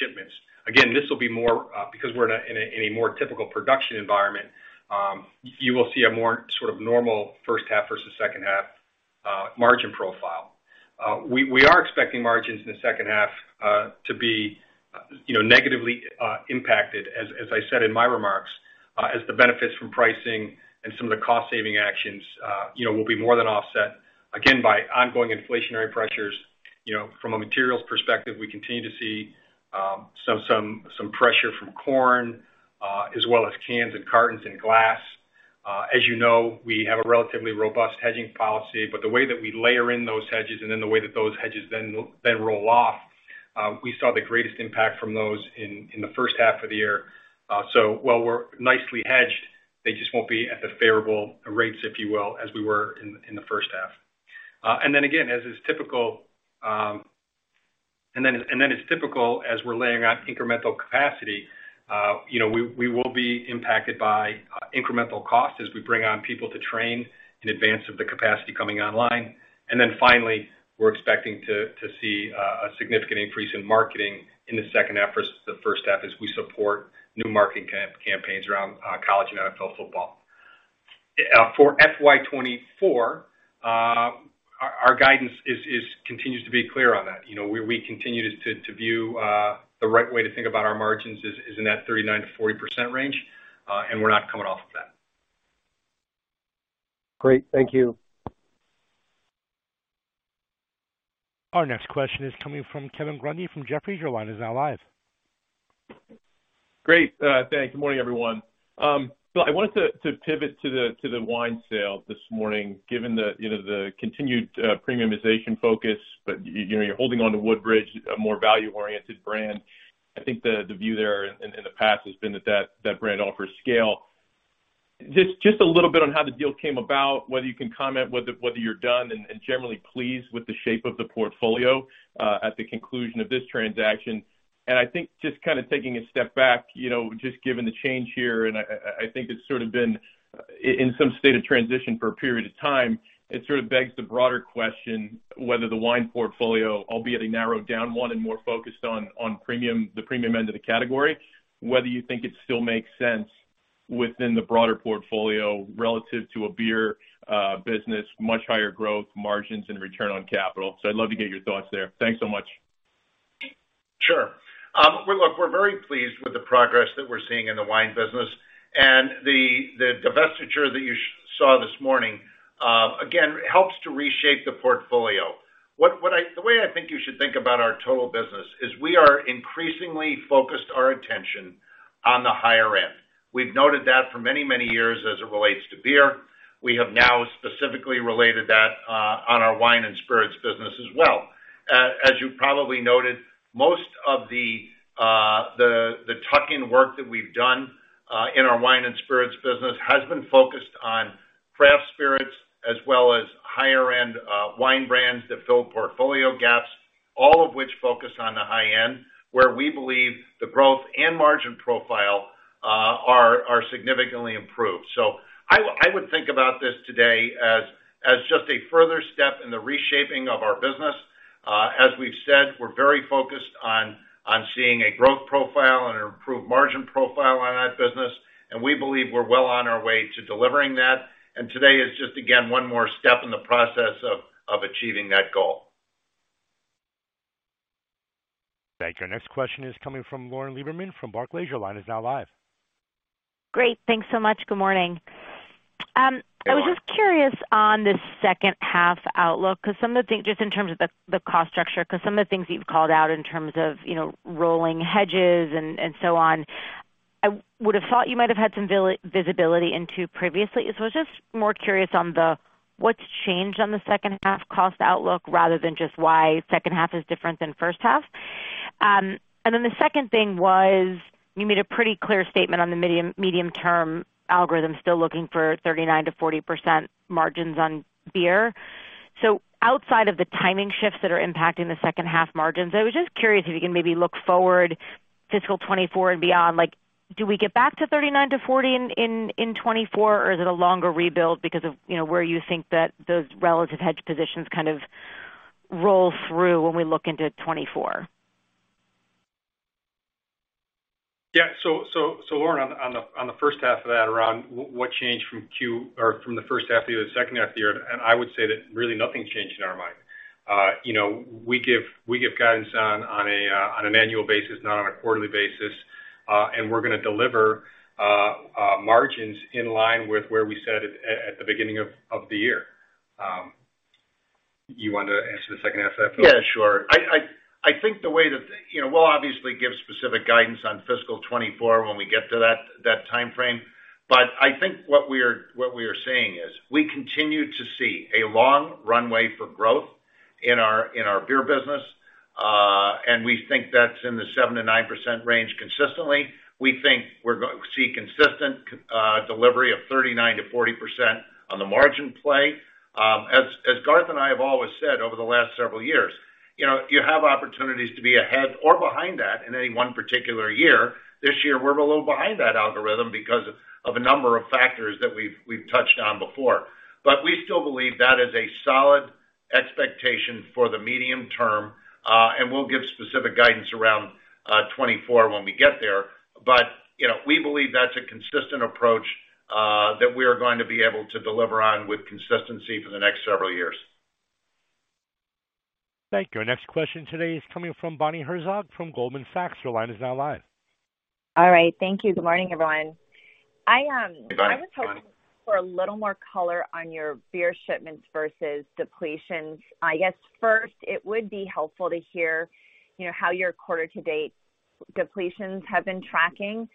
shipments. Again, this will be more because we're in a more typical production environment, you will see a more sort of normal first half versus second half margin profile. We are expecting margins in the second half to be, you know, negatively impacted, as I said in my remarks, as the benefits from pricing and some of the cost-saving actions, you know, will be more than offset, again, by ongoing inflationary pressures. You know, from a materials perspective, we continue to see some pressure from corn, as well as cans and cartons and glass. As you know, we have a relatively robust hedging policy, but the way that we layer in those hedges and then the way that those hedges then roll off, we saw the greatest impact from those in the first half of the year. So while we're nicely hedged, they just won't be at the favorable rates, if you will, as we were in the first half. As is typical, as we're laying out incremental capacity, you know, we will be impacted by incremental costs as we bring on people to train in advance of the capacity coming online. Finally, we're expecting to see a significant increase in marketing in the second half versus the first half as we support new marketing campaigns around college and NFL football. For FY 2024, our guidance continues to be clear on that. You know, we continue to view the right way to think about our margins is in that 39%-40% range, and we're not coming off of that. Great. Thank you. Our next question is coming from Kevin Grundy from Jefferies. Your line is now live. Great. Thanks. Good morning, everyone. I wanted to pivot to the wine sale this morning, given you know the continued premiumization focus, but you know you're holding onto Woodbridge, a more value-oriented brand. I think the view there in the past has been that brand offers scale. Just a little bit on how the deal came about, whether you can comment whether you're done and generally pleased with the shape of the portfolio at the conclusion of this transaction. I think just kind of taking a step back, you know, just given the change here, and I think it's sort of been in some state of transition for a period of time, it sort of begs the broader question whether the wine portfolio, albeit a narrowed down one and more focused on premium, the premium end of the category, whether you think it still makes sense within the broader portfolio relative to a beer business, much higher growth margins and return on capital. I'd love to get your thoughts there. Thanks so much. Sure. Well, look, we're very pleased with the progress that we're seeing in the wine business. The divestiture that you saw this morning again helps to reshape the portfolio. The way I think you should think about our total business is we are increasingly focused our attention on the higher end. We've noted that for many years as it relates to beer. We have now specifically related that on our wine and spirits business as well. As you probably noted, most of the tuck-in work that we've done in our wine and spirits business has been focused on craft spirits as well as higher-end wine brands that fill portfolio gaps, all of which focus on the high end, where we believe the growth and margin profile are significantly improved. I would think about this today as just a further step in the reshaping of our business. As we've said, we're very focused on seeing a growth profile and an improved margin profile on that business, and we believe we're well on our way to delivering that. Today is just, again, one more step in the process of achieving that goal. Thank you. Our next question is coming from Lauren Lieberman from Barclays. Your line is now live. Great. Thanks so much. Good morning. Good morning. I was just curious on the second half outlook, 'cause some of the things, just in terms of the cost structure, 'cause some of the things that you've called out in terms of, you know, rolling hedges and so on, I would have thought you might have had some visibility into previously. I was just more curious on what's changed on the second half cost outlook rather than just why second half is different than first half. The second thing was you made a pretty clear statement on the medium-term algorithm, still looking for 39%-40% margins on beer. Outside of the timing shifts that are impacting the second half margins, I was just curious if you can maybe look forward fiscal 2024 and beyond, like, do we get back to 39%-40% in 2024, or is it a longer rebuild because of, you know, where you think that those relative hedge positions kind of roll through when we look into 2024? Yeah. Lauren, on the first half of that around what changed from the first half of the year to the second half of the year, and I would say that really nothing changed in our mind. You know, we give guidance on an annual basis, not on a quarterly basis, and we're gonna deliver margins in line with where we said at the beginning of the year. You want to answer the second half of that, Bill? Yeah, sure. I think you know, we'll obviously give specific guidance on fiscal 2024 when we get to that timeframe. I think what we are saying is, we continue to see a long runway for growth in our beer business, and we think that's in the 7%-9% range consistently. We think we see consistent delivery of 39%-40% on the margin play. As Garth and I have always said over the last several years, you know, you have opportunities to be ahead or behind that in any one particular year. This year, we're a little behind that algorithm because of a number of factors that we've touched on before. We still believe that is a solid expectation for the medium term, and we'll give specific guidance around 2024 when we get there. You know, we believe that's a consistent approach that we are going to be able to deliver on with consistency for the next several years. Thank you. Our next question today is coming from Bonnie Herzog from Goldman Sachs. Your line is now live. All right, thank you. Good morning, everyone. Good morning. I was hoping for a little more color on your beer shipments versus depletions. I guess first, it would be helpful to hear, you know, how your quarter to date depletions have been tracking.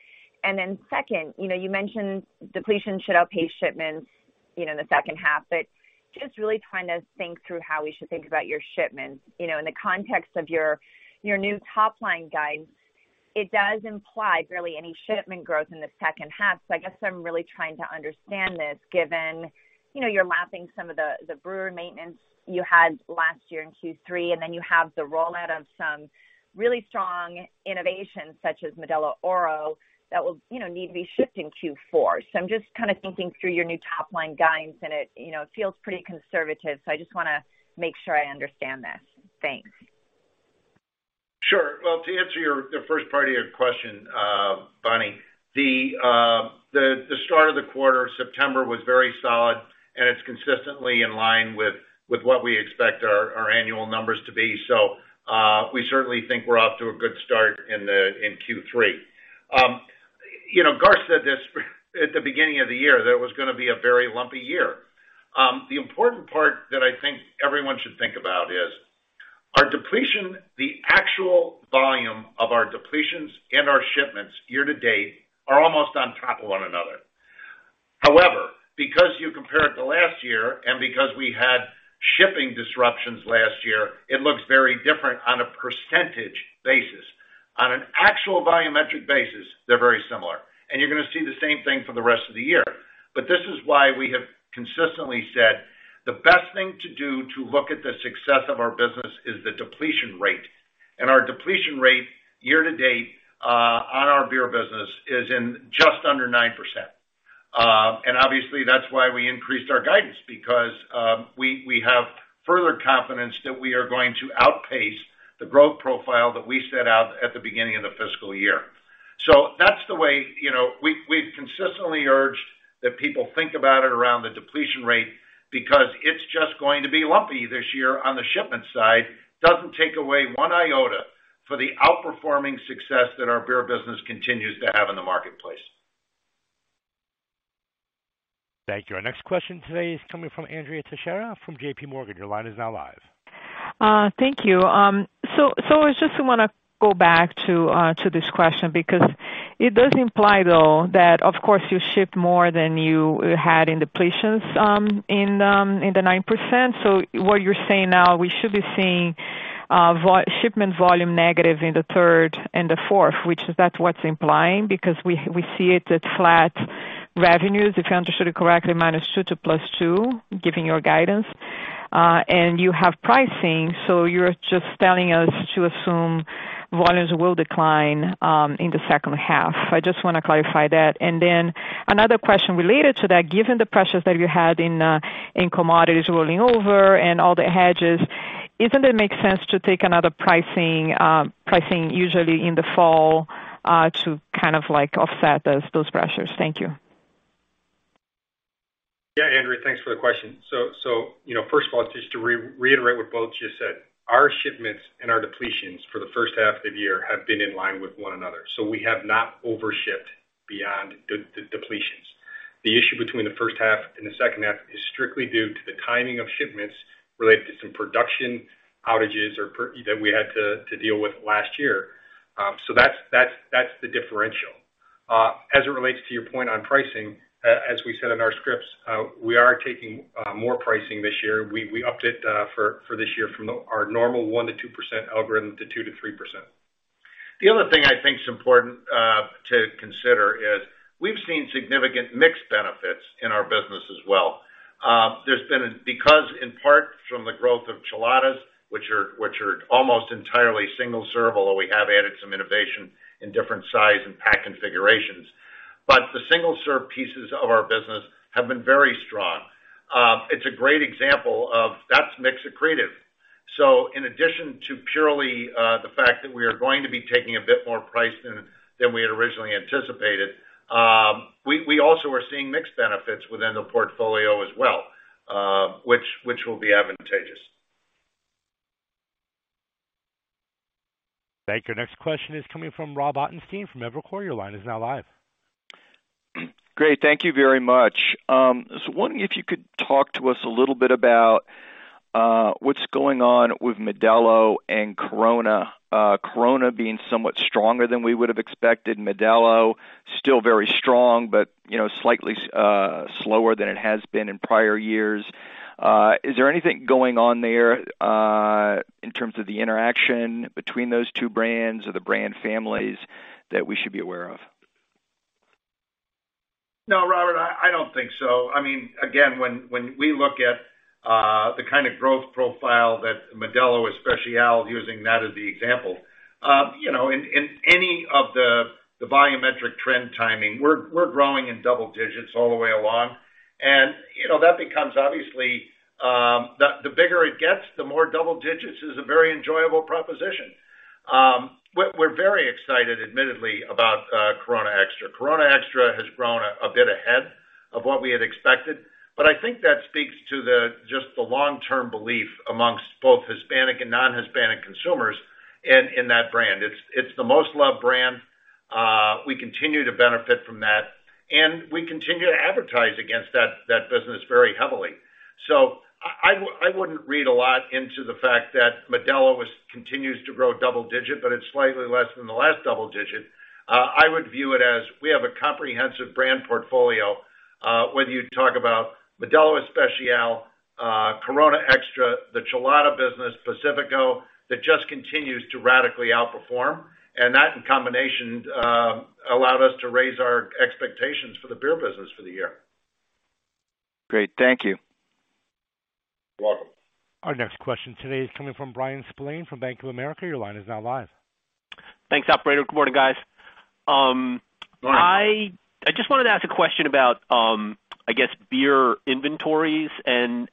Second, you know, you mentioned depletions should outpace shipments, you know, in the second half, but just really trying to think through how we should think about your shipments. You know, in the context of your new top line guidance, it does imply barely any shipment growth in the second half. I guess I'm really trying to understand this given, you know, you're lapping some of the brewer maintenance you had last year in Q3, and then you have the rollout of some really strong innovations such as Modelo Oro that will, you know, need to be shipped in Q4. I'm just kind of thinking through your new top-line guidance, and it, you know, it feels pretty conservative. I just wanna make sure I understand this. Thanks. Sure. Well, to answer the first part of your question, Bonnie, the start of the quarter, September was very solid, and it's consistently in line with what we expect our annual numbers to be. We certainly think we're off to a good start in Q3. You know, Garth said at the beginning of the year that it was gonna be a very lumpy year. The important part that I think everyone should think about is our depletion, the actual volume of our depletions and our shipments year to date are almost on top of one another. However, because you compare it to last year and because we had shipping disruptions last year, it looks very different on a percentage basis. On an actual volumetric basis, they're very similar, and you're gonna see the same thing for the rest of the year. This is why we have consistently said, the best thing to do to look at the success of our business is the depletion rate. Our depletion rate year to date, on our beer business is in just under 9%. Obviously, that's why we increased our guidance because, we have further confidence that we are going to outpace the growth profile that we set out at the beginning of the fiscal year. That's the way, you know, we've consistently urged that people think about it around the depletion rate because it's just going to be lumpy this year on the shipment side. Doesn't take away one iota for the outperforming success that our beer business continues to have in the marketplace. Thank you. Our next question today is coming from Andrea Teixeira from JPMorgan. Your line is now live. Thank you. I just want to go back to this question because it does imply, though, that, of course, you ship more than you had in depletions in the 9%. What you're saying now, we should be seeing shipment volume negative in the third and the fourth, which that's what's implying because we see it at flat revenues, if I understood it correctly, -2% to +2%, given your guidance. You have pricing, so you're just telling us to assume volumes will decline in the second half. I just want to clarify that. Another question related to that, given the pressures that you had in commodities rolling over and all the hedges, isn't it make sense to take another pricing usually in the fall to kind of like offset those pressures? Thank you. Yeah, Andrea, thanks for the question. You know, first of all, just to reiterate what both just said, our shipments and our depletions for the first half of the year have been in line with one another. We have not overshipped beyond the depletions. The issue between the first half and the second half is strictly due to the timing of shipments related to some production outages or that we had to deal with last year. That's the differential. As it relates to your point on pricing, as we said in our scripts, we are taking more pricing this year. We upped it for this year from our normal 1%-2% algorithm to 2%-3%. The other thing I think is important to consider is we've seen significant mix benefits in our business as well. There's been because in part from the growth of Cheladas, which are almost entirely single serve, although we have added some innovation in different size and pack configurations. The single serve pieces of our business have been very strong. It's a great example of that's mix accretive. In addition to purely the fact that we are going to be taking a bit more price than we had originally anticipated, we also are seeing mix benefits within the portfolio as well, which will be advantageous. Thank you. Next question is coming from Rob Ottenstein from Evercore. Your line is now live. Great. Thank you very much. Just wondering if you could talk to us a little bit about what's going on with Modelo and Corona. Corona being somewhat stronger than we would have expected. Modelo still very strong, but slightly slower than it has been in prior years. Is there anything going on there in terms of the interaction between those two brands or the brand families that we should be aware of? No, Robert, I don't think so. I mean, again, when we look at the kind of growth profile that Modelo Especial, using that as the example, you know, in any of the volumetric trend timing, we're growing in double digits all the way along. You know, that becomes obviously. The bigger it gets, the more double digits is a very enjoyable proposition. We're very excited admittedly about Corona Extra. Corona Extra has grown a bit ahead of what we had expected, but I think that speaks to the just the long-term belief amongst both Hispanic and non-Hispanic consumers in that brand. It's the most loved brand. We continue to benefit from that, and we continue to advertise against that business very heavily. I wouldn't read a lot into the fact that Modelo continues to grow double digit, but it's slightly less than the last double digit. I would view it as we have a comprehensive brand portfolio, whether you talk about Modelo Especial, Corona Extra, the Chelada business, Pacifico, that just continues to radically outperform. That in combination allowed us to raise our expectations for the beer business for the year. Great. Thank you. You're welcome. Our next question today is coming from Bryan Spillane from Bank of America. Your line is now live. Thanks, operator. Good morning, guys. Good morning. I just wanted to ask a question about, I guess beer inventories and,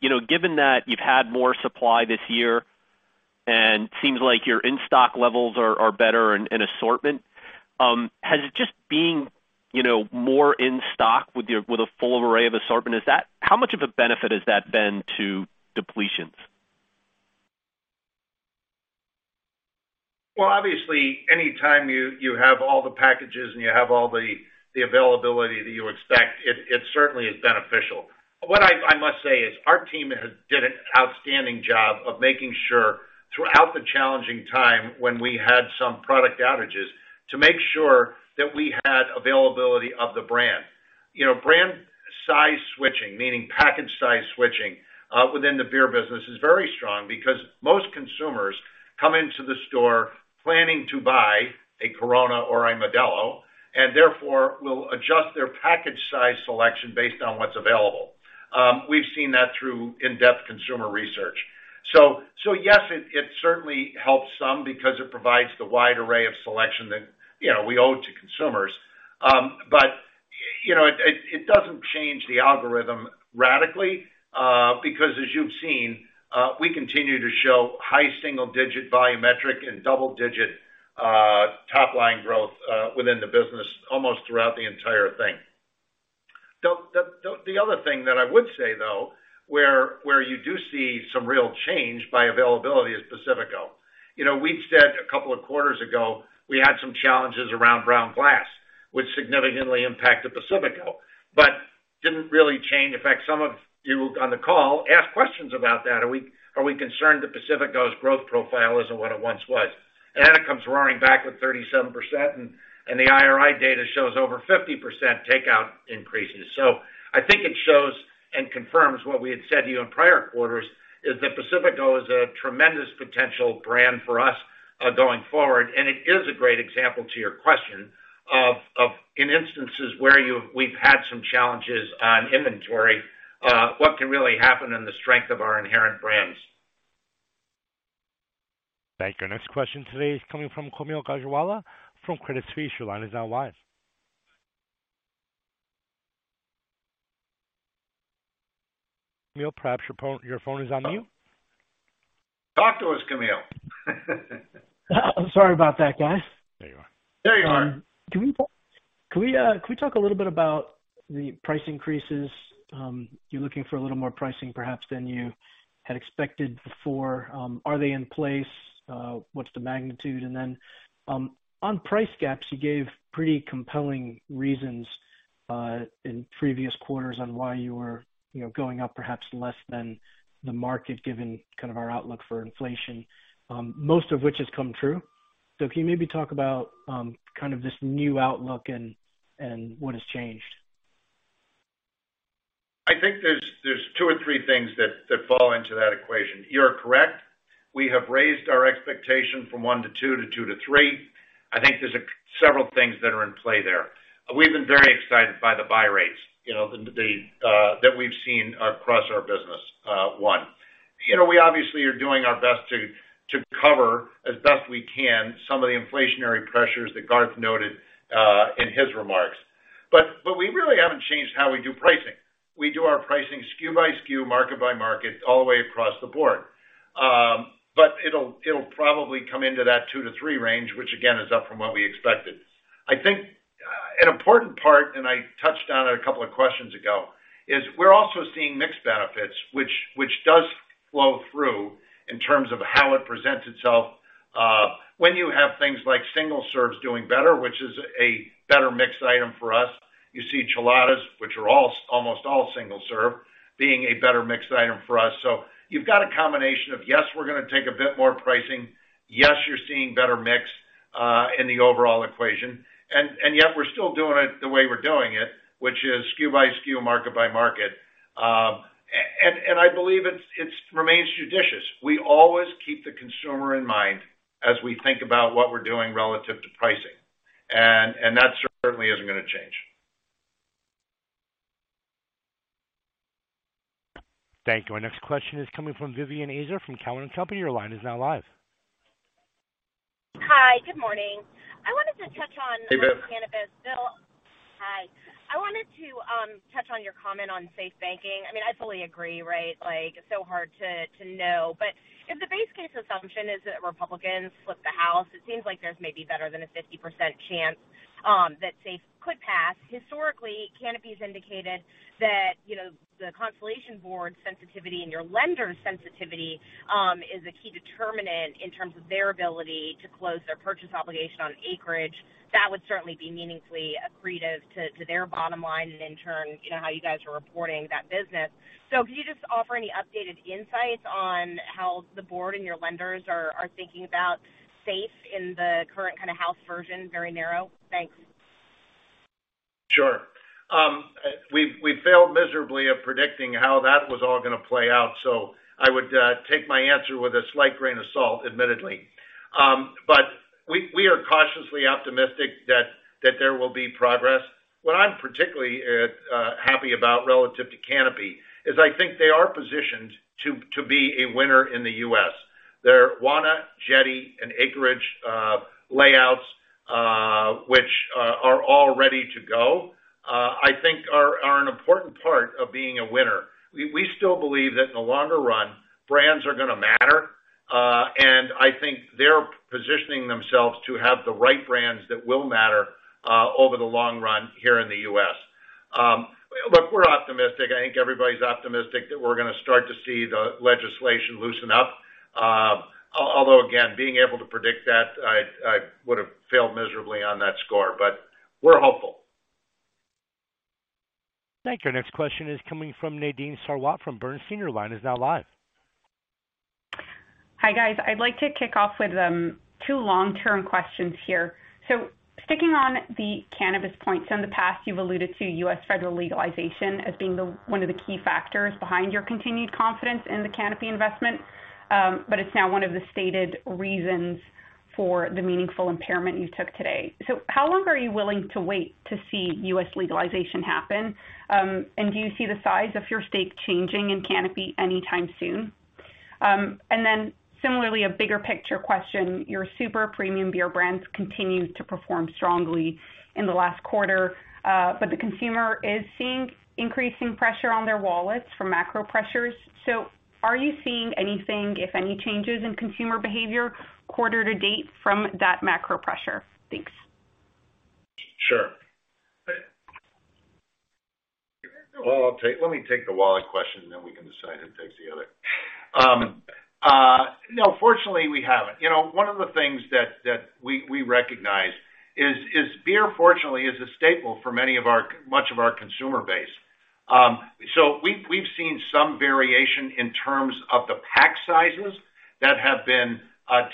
you know, given that you've had more supply this year and seems like your in-stock levels are better in assortment, has it just been, you know, more in stock with a full array of assortment, how much of a benefit has that been to depletions? Well, obviously, anytime you have all the packages and you have all the availability that you expect, it certainly is beneficial. What I must say is our team has done an outstanding job of making sure throughout the challenging time when we had some product outages, to make sure that we had availability of the brand. You know, brand size switching, meaning package size switching, within the beer business is very strong because most consumers come into the store planning to buy a Corona or a Modelo, and therefore will adjust their package size selection based on what's available. We've seen that through in-depth consumer research. Yes, it certainly helps some because it provides the wide array of selection that, you know, we owe to consumers. You know, it doesn't change the algorithm radically, because as you've seen, we continue to show high single-digit depletions and double-digit top-line growth within the business almost throughout the entire thing. The other thing that I would say, though, where you do see some real change by availability is Pacifico. You know, we've said a couple of quarters ago, we had some challenges around brown glass, which significantly impacted Pacifico, but didn't really change. In fact, some of you on the call asked questions about that. Are we concerned that Pacifico's growth profile isn't what it once was? It comes roaring back with 37% and the IRI data shows over 50% takeout increases. I think it shows and confirms what we had said to you in prior quarters, is that Pacifico is a tremendous potential brand for us, going forward. It is a great example to your question of in instances where we've had some challenges on inventory, what can really happen in the strength of our inherent brands. Thank you. Our next question today is coming from Kaumil Gajrawala from Credit Suisse. Your line is now live. Kaumil, perhaps your phone is on mute. Talk to us, Kaumil. Sorry about that, guys. There you are. Can we talk a little bit about the price increases? You're looking for a little more pricing perhaps than you had expected before. Are they in place? What's the magnitude? Then, on price gaps, you gave pretty compelling reasons in previous quarters on why you were, you know, going up perhaps less than the market, given kind of our outlook for inflation, most of which has come true. Can you maybe talk about kind of this new outlook and what has changed? I think there's two or three things that fall into that equation. You're correct. We have raised our expectation from one to two to two to three. I think there's several things that are in play there. We've been very excited by the buy rates, you know, that we've seen across our business, one. You know, we obviously are doing our best to cover as best we can some of the inflationary pressures that Garth noted in his remarks. We really haven't changed how we do pricing. We do our pricing SKU by SKU, market by market, all the way across the board. It'll probably come into that 2-3 range, which again, is up from what we expected. An important part, and I touched on it a couple of questions ago, is we're also seeing mix benefits, which does flow through in terms of how it presents itself, when you have things like single serves doing better, which is a better mix item for us. You see Cheladas, which are almost all single serve, being a better mix item for us. You've got a combination of, yes, we're gonna take a bit more pricing, yes, you're seeing better mix, in the overall equation. Yet we're still doing it the way we're doing it, which is SKU by SKU, market by market. I believe it remains judicious. We always keep the consumer in mind as we think about what we're doing relative to pricing, and that certainly isn't gonna change. Thank you. Our next question is coming from Vivien Azer from Cowen and Company. Your line is now live. Hi, good morning. I wanted to touch on... Hey, Viv. Cannabis. Bill. Hi. I wanted to touch on your comment on SAFE banking. I mean, I fully agree, right? Like, it's so hard to know. If the base case assumption is that Republicans flip the House, it seems like there's maybe better than a 50% chance that SAFE could pass. Historically, Canopy's indicated that, you know, the Constellation board sensitivity and your lender sensitivity is a key determinant in terms of their ability to close their purchase obligation on Acreage. That would certainly be meaningfully accretive to their bottom line and in turn, you know, how you guys are reporting that business. So can you just offer any updated insights on how the board and your lenders are thinking about SAFE in the current kind of House version? Very narrow. Thanks. Sure. We failed miserably at predicting how that was all gonna play out, so I would take my answer with a slight grain of salt, admittedly. We are cautiously optimistic that there will be progress. What I'm particularly happy about relative to Canopy is I think they are positioned to be a winner in the U.S. Their Wana, Jetty, and Acreage plays, which are all ready to go, I think are an important part of being a winner. We still believe that in the longer run, brands are gonna matter, and I think they're positioning themselves to have the right brands that will matter over the long run here in the U.S. Look, we're optimistic. I think everybody's optimistic that we're gonna start to see the legislation loosen up. Although again, being able to predict that, I would've failed miserably on that score, but we're hopeful. Thank you. Our next question is coming from Nadine Sarwat from Bernstein. Your line is now live. Hi, guys. I'd like to kick off with two long-term questions here. Sticking on the cannabis point. In the past, you've alluded to U.S. federal legalization as being one of the key factors behind your continued confidence in the Canopy investment, but it's now one of the stated reasons for the meaningful impairment you took today. How long are you willing to wait to see U.S. legalization happen? Do you see the size of your stake changing in Canopy anytime soon? Similarly, a bigger picture question, your super premium beer brands continued to perform strongly in the last quarter, but the consumer is seeing increasing pressure on their wallets from macro pressures. Are you seeing anything, if any changes in consumer behavior quarter to date from that macro pressure? Thanks. Sure. Well, I'll take the wallet question, and then we can decide who takes the other. No, fortunately, we haven't. You know, one of the things that we recognize is beer, fortunately, is a staple for many of our much of our consumer base. So we've seen some variation in terms of the pack sizes that have been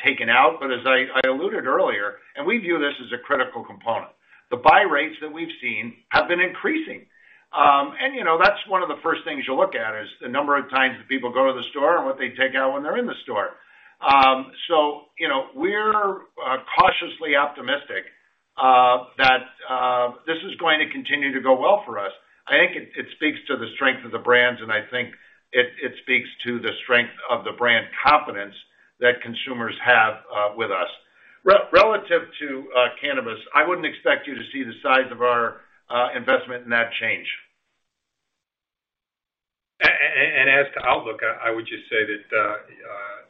taken out. But as I alluded earlier, and we view this as a critical component, the buy rates that we've seen have been increasing. You know, that's one of the first things you look at, is the number of times that people go to the store and what they take out when they're in the store. So, you know, we're cautiously optimistic that this is going to continue to go well for us. I think it speaks to the strength of the brands, and I think it speaks to the strength of the brand confidence that consumers have with us. Relative to cannabis, I wouldn't expect you to see the size of our investment in that change. As to outlook, I would just say that,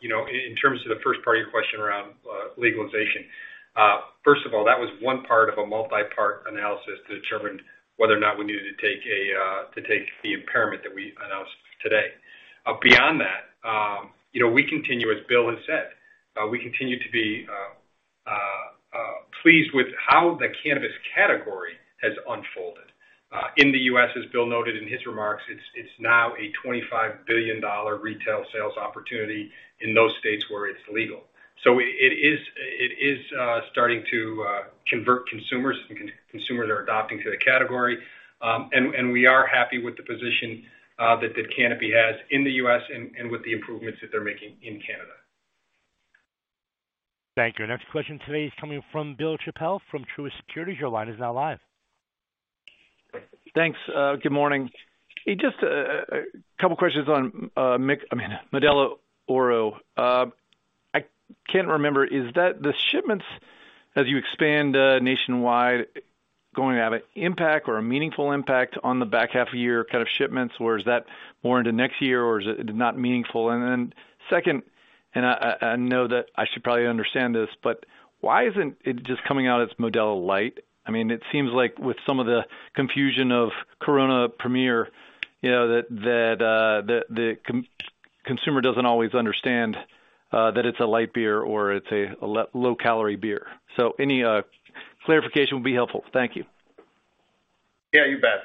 you know, in terms of the first part of your question around legalization. First of all, that was one part of a multi-part analysis to determine whether or not we needed to take the impairment that we announced today. Beyond that, you know, we continue, as Bill has said, to be pleased with how the cannabis category has unfolded. In the U.S., as Bill noted in his remarks, it's now a $25 billion retail sales opportunity in those states where it's legal. It is starting to convert consumers. Consumers are adopting the category. We are happy with the position that the Canopy has in the U.S. and with the improvements that they're making in Canada. Thank you. Our next question today is coming from Bill Chappell from Truist Securities. Your line is now live. Thanks, good morning. Just a couple of questions on, I mean, Modelo Oro. Can't remember, is that the shipments as you expand nationwide going to have an impact or a meaningful impact on the back half of year kind of shipments, or is that more into next year or is it not meaningful? Then second, I know that I should probably understand this, but why isn't it just coming out as Modelo light? I mean, it seems like with some of the confusion of Corona Premier, you know, the consumer doesn't always understand that it's a light beer or it's a low calorie beer. So any clarification would be helpful. Thank you. Yeah, you bet.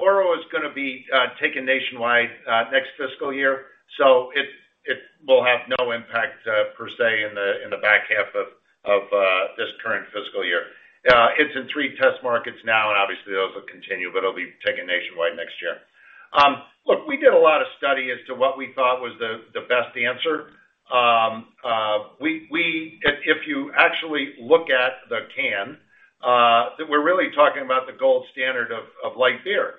Oro is gonna be taken nationwide next fiscal year, so it will have no impact per se in the back half of this current fiscal year. It's in three test markets now, and obviously, those will continue, but it'll be taken nationwide next year. Look, we did a lot of study as to what we thought was the best answer. If you actually look at the can that we're really talking about the gold standard of light beer.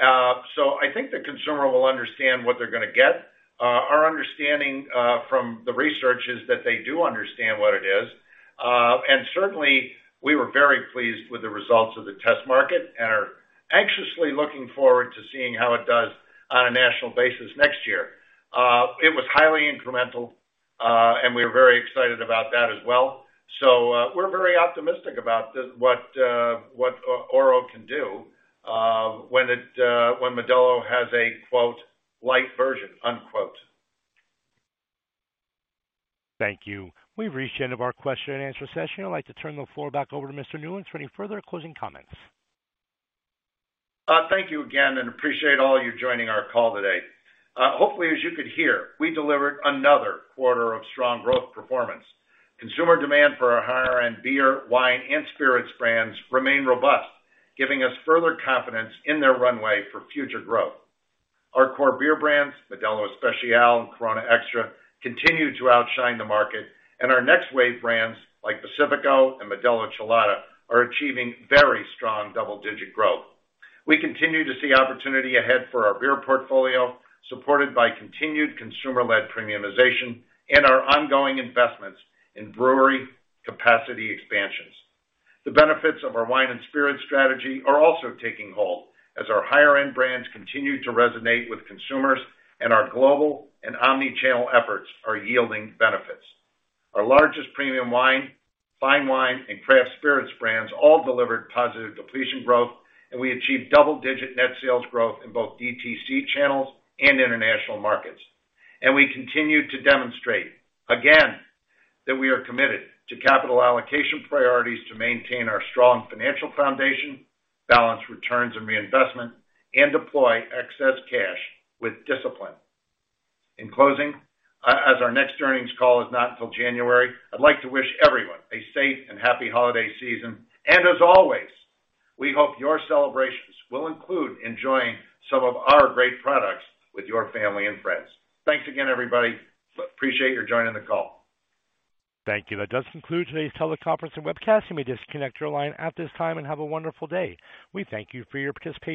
I think the consumer will understand what they're gonna get. Our understanding from the research is that they do understand what it is. We were very pleased with the results of the test market and are anxiously looking forward to seeing how it does on a national basis next year. It was highly incremental, and we are very excited about that as well. We're very optimistic about what Oro can do when Modelo has a "light version". Thank you. We've reached the end of our question and answer session. I'd like to turn the floor back over to Mr. Newlands for any further closing comments. Thank you again and appreciate all you joining our call today. Hopefully, as you could hear, we delivered another quarter of strong growth performance. Consumer demand for our higher end beer, wine, and spirits brands remain robust, giving us further confidence in their runway for future growth. Our core beer brands, Modelo Especial and Corona Extra, continue to outshine the market, and our next wave brands like Pacifico and Modelo Chelada are achieving very strong double-digit growth. We continue to see opportunity ahead for our beer portfolio, supported by continued consumer-led premiumization and our ongoing investments in brewery capacity expansions. The benefits of our wine and spirits strategy are also taking hold as our higher end brands continue to resonate with consumers and our global and omni-channel efforts are yielding benefits. Our largest premium wine, fine wine, and craft spirits brands all delivered positive depletion growth, and we achieved double-digit net sales growth in both DTC channels and international markets. We continue to demonstrate, again, that we are committed to capital allocation priorities to maintain our strong financial foundation, balance returns and reinvestment, and deploy excess cash with discipline. In closing, as our next earnings call is not until January, I'd like to wish everyone a safe and happy holiday season. As always, we hope your celebrations will include enjoying some of our great products with your family and friends. Thanks again, everybody. Appreciate your joining the call. Thank you. That does conclude today's teleconference and webcast. You may disconnect your line at this time and have a wonderful day. We thank you for your participation.